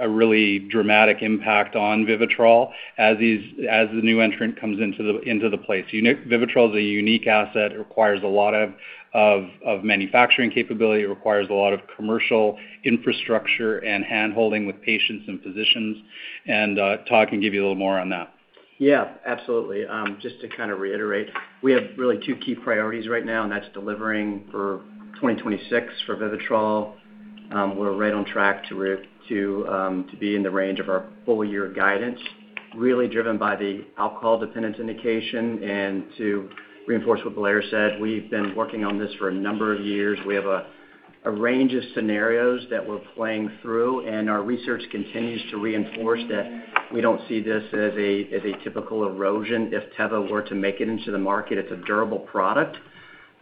a really dramatic impact on VIVITROL as the new entrant comes into the place. VIVITROL is a unique asset. It requires a lot of manufacturing capability. It requires a lot of commercial infrastructure and hand-holding with patients and physicians. Todd can give you a little more on that. Yeah, absolutely. Just to kind of reiterate, we have really two key priorities right now, and that's delivering for 2026 for VIVITROL. We're right on track to be in the range of our full-year guidance, really driven by the alcohol dependence indication. To reinforce what Blair said, we've been working on this for a number of years. We have a range of scenarios that we're playing through, our research continues to reinforce that we don't see this as a typical erosion if Teva Pharmaceuticals were to make it into the market. It's a durable product.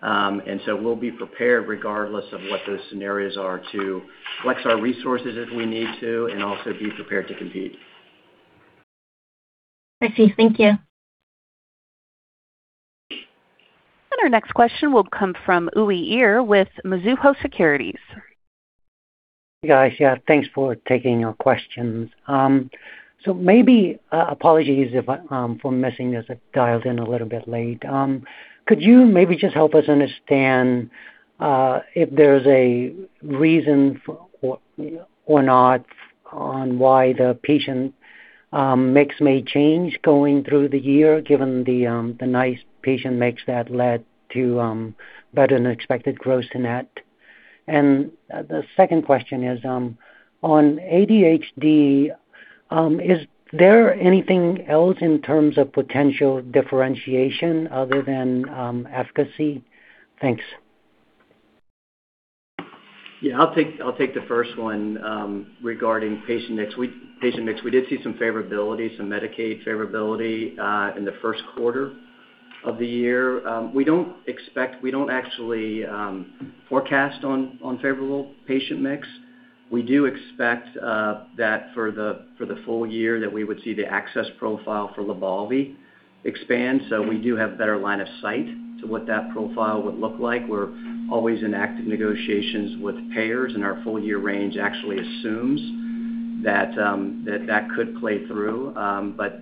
We'll be prepared regardless of what those scenarios are to flex our resources if we need to and also be prepared to compete. I see. Thank you. Our next question will come from Uy Ear with Mizuho Securities. Guys, yeah, thanks for taking our questions. Maybe, apologies for missing as I dialed in a little bit late. Could you maybe just help us understand if there's a reason for or not on why the patient mix may change going through the year given the nice patient mix that led to better than expected gross in that? The second question is, on ADHD, is there anything else in terms of potential differentiation other than efficacy? Thanks. I'll take the first one, regarding patient mix. Patient mix. We did see some favorability, some Medicaid favorability in the first quarter of the year. We don't actually forecast on favorable patient mix. We do expect that for the full year that we would see the access profile for LYBALVI expand, so we do have better line of sight to what that profile would look like. We're always in active negotiations with payers. Our full-year range actually assumes That could play through.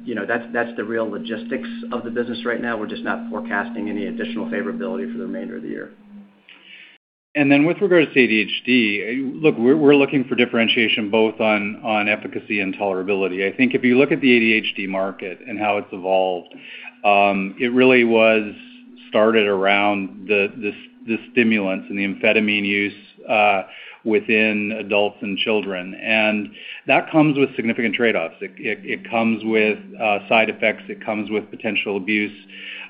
You know, that's the real logistics of the business right now. We're just not forecasting any additional favorability for the remainder of the year. With regards to ADHD, look, we're looking for differentiation both on efficacy and tolerability. I think if you look at the ADHD market and how it's evolved, it really was started around the stimulants and the amphetamine use within adults and children. That comes with significant trade-offs. It comes with side effects. It comes with potential abuse.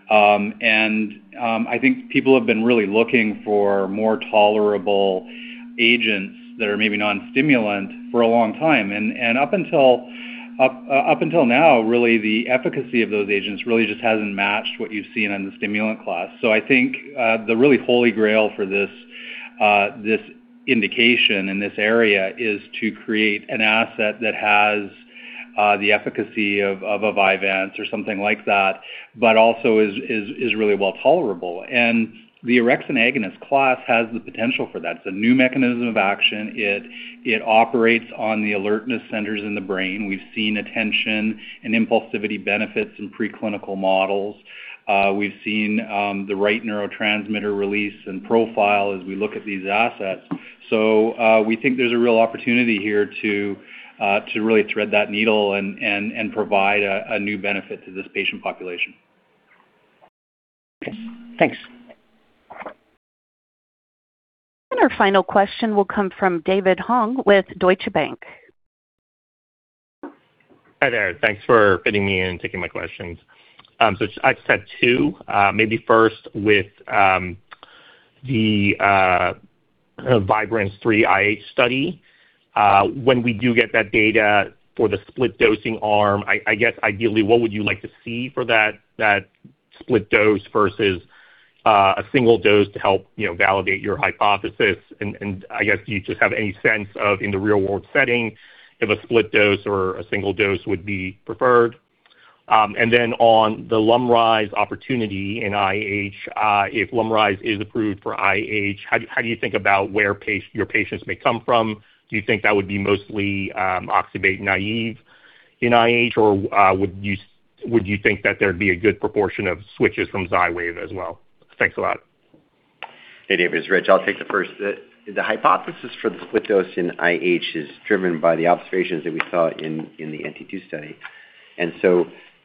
I think people have been really looking for more tolerable agents that are maybe non-stimulant for a long time. Up until now, really the efficacy of those agents really just hasn't matched what you've seen on the stimulant class. I think, the really holy grail for this indication in this area is to create an asset that has the efficacy of a Vyvanse or something like that, but also is really well tolerable. The orexin agonist class has the potential for that. It's a new mechanism of action. It operates on the alertness centers in the brain. We've seen attention and impulsivity benefits in preclinical models. We've seen the right neurotransmitter release and profile as we look at these assets. We think there's a real opportunity here to really thread that needle and provide a new benefit to this patient population. Okay, thanks. Our final question will come from David Hoang with Deutsche Bank. Hi there. Thanks for fitting me in and taking my questions. I just had two. Maybe first with the Vibrance-3 IH study. When we do get that data for the split dosing arm, I guess ideally, what would you like to see for that split dose versus a single dose to help, you know, validate your hypothesis? I guess, do you just have any sense of, in the real-world setting, if a split dose or a single dose would be preferred? On the LUMRYZ opportunity in IH, if LUMRYZ is approved for IH, how do you think about where your patients may come from? Do you think that would be mostly oxybate naive in IH? Would you think that there'd be a good proportion of switches from XYWAV as well? Thanks a lot. Hey, David, it's Rich. I'll take the first. The hypothesis for the split dose in IH is driven by the observations that we saw in the NT2 study.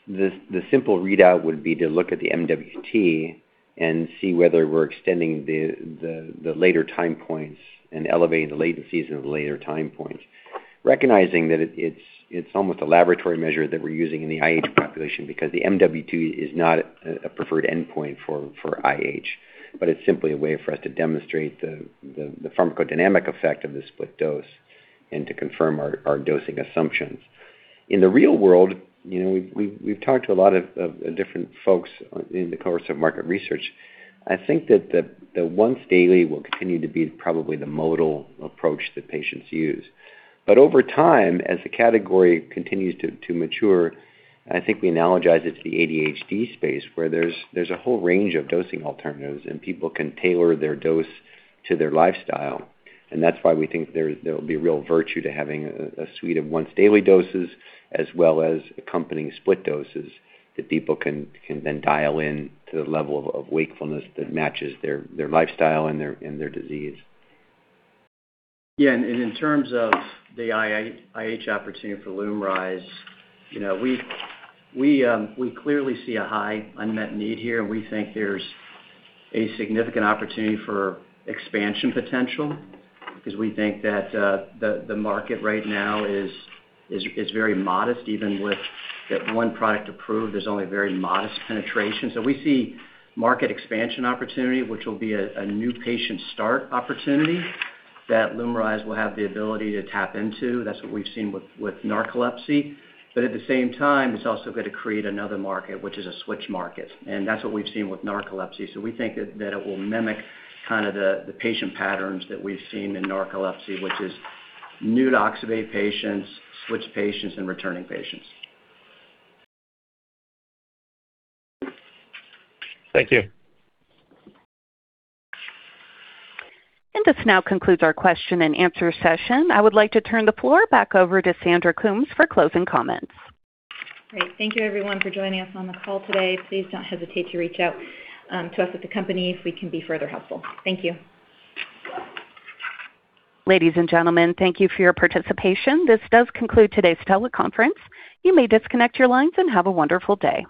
The simple readout would be to look at the MWT and see whether we're extending the later time points and elevating the latencies of the later time points. Recognizing that it's almost a laboratory measure that we're using in the IH population, because the MWT is not a preferred endpoint for IH. It's simply a way for us to demonstrate the pharmacodynamic effect of the split dose and to confirm our dosing assumptions. In the real world, you know, we've talked to a lot of different folks in the course of market research. I think that the once daily will continue to be probably the modal approach that patients use. Over time, as the category continues to mature, I think we analogize it to the ADHD space, where there's a whole range of dosing alternatives, and people can tailor their dose to their lifestyle. That's why we think there will be real virtue to having a suite of once daily doses as well as accompanying split doses that people can then dial in to the level of wakefulness that matches their lifestyle and their disease. Yeah. In terms of the IH opportunity for LUMRYZ, you know, we clearly see a high unmet need here. We think there's a significant opportunity for expansion potential because we think that the market right now is very modest. Even with the one product approved, there's only very modest penetration. We see market expansion opportunity, which will be a new patient start opportunity that LUMRYZ will have the ability to tap into. That's what we've seen with narcolepsy. At the same time, it's also going to create another market, which is a switch market, and that's what we've seen with narcolepsy. We think that it will mimic kind of the patient patterns that we've seen in narcolepsy, which is neuro-oxybate patients, switched patients, and returning patients. Thank you. This now concludes our question-and-answer session. I would like to turn the floor back over to Sandy Coombs for closing comments. Great. Thank you everyone for joining us on the call today. Please don't hesitate to reach out to us at the company if we can be further helpful. Thank you. Ladies and gentlemen, thank you for your participation. This does conclude today's teleconference. You may disconnect your lines, and have a wonderful day.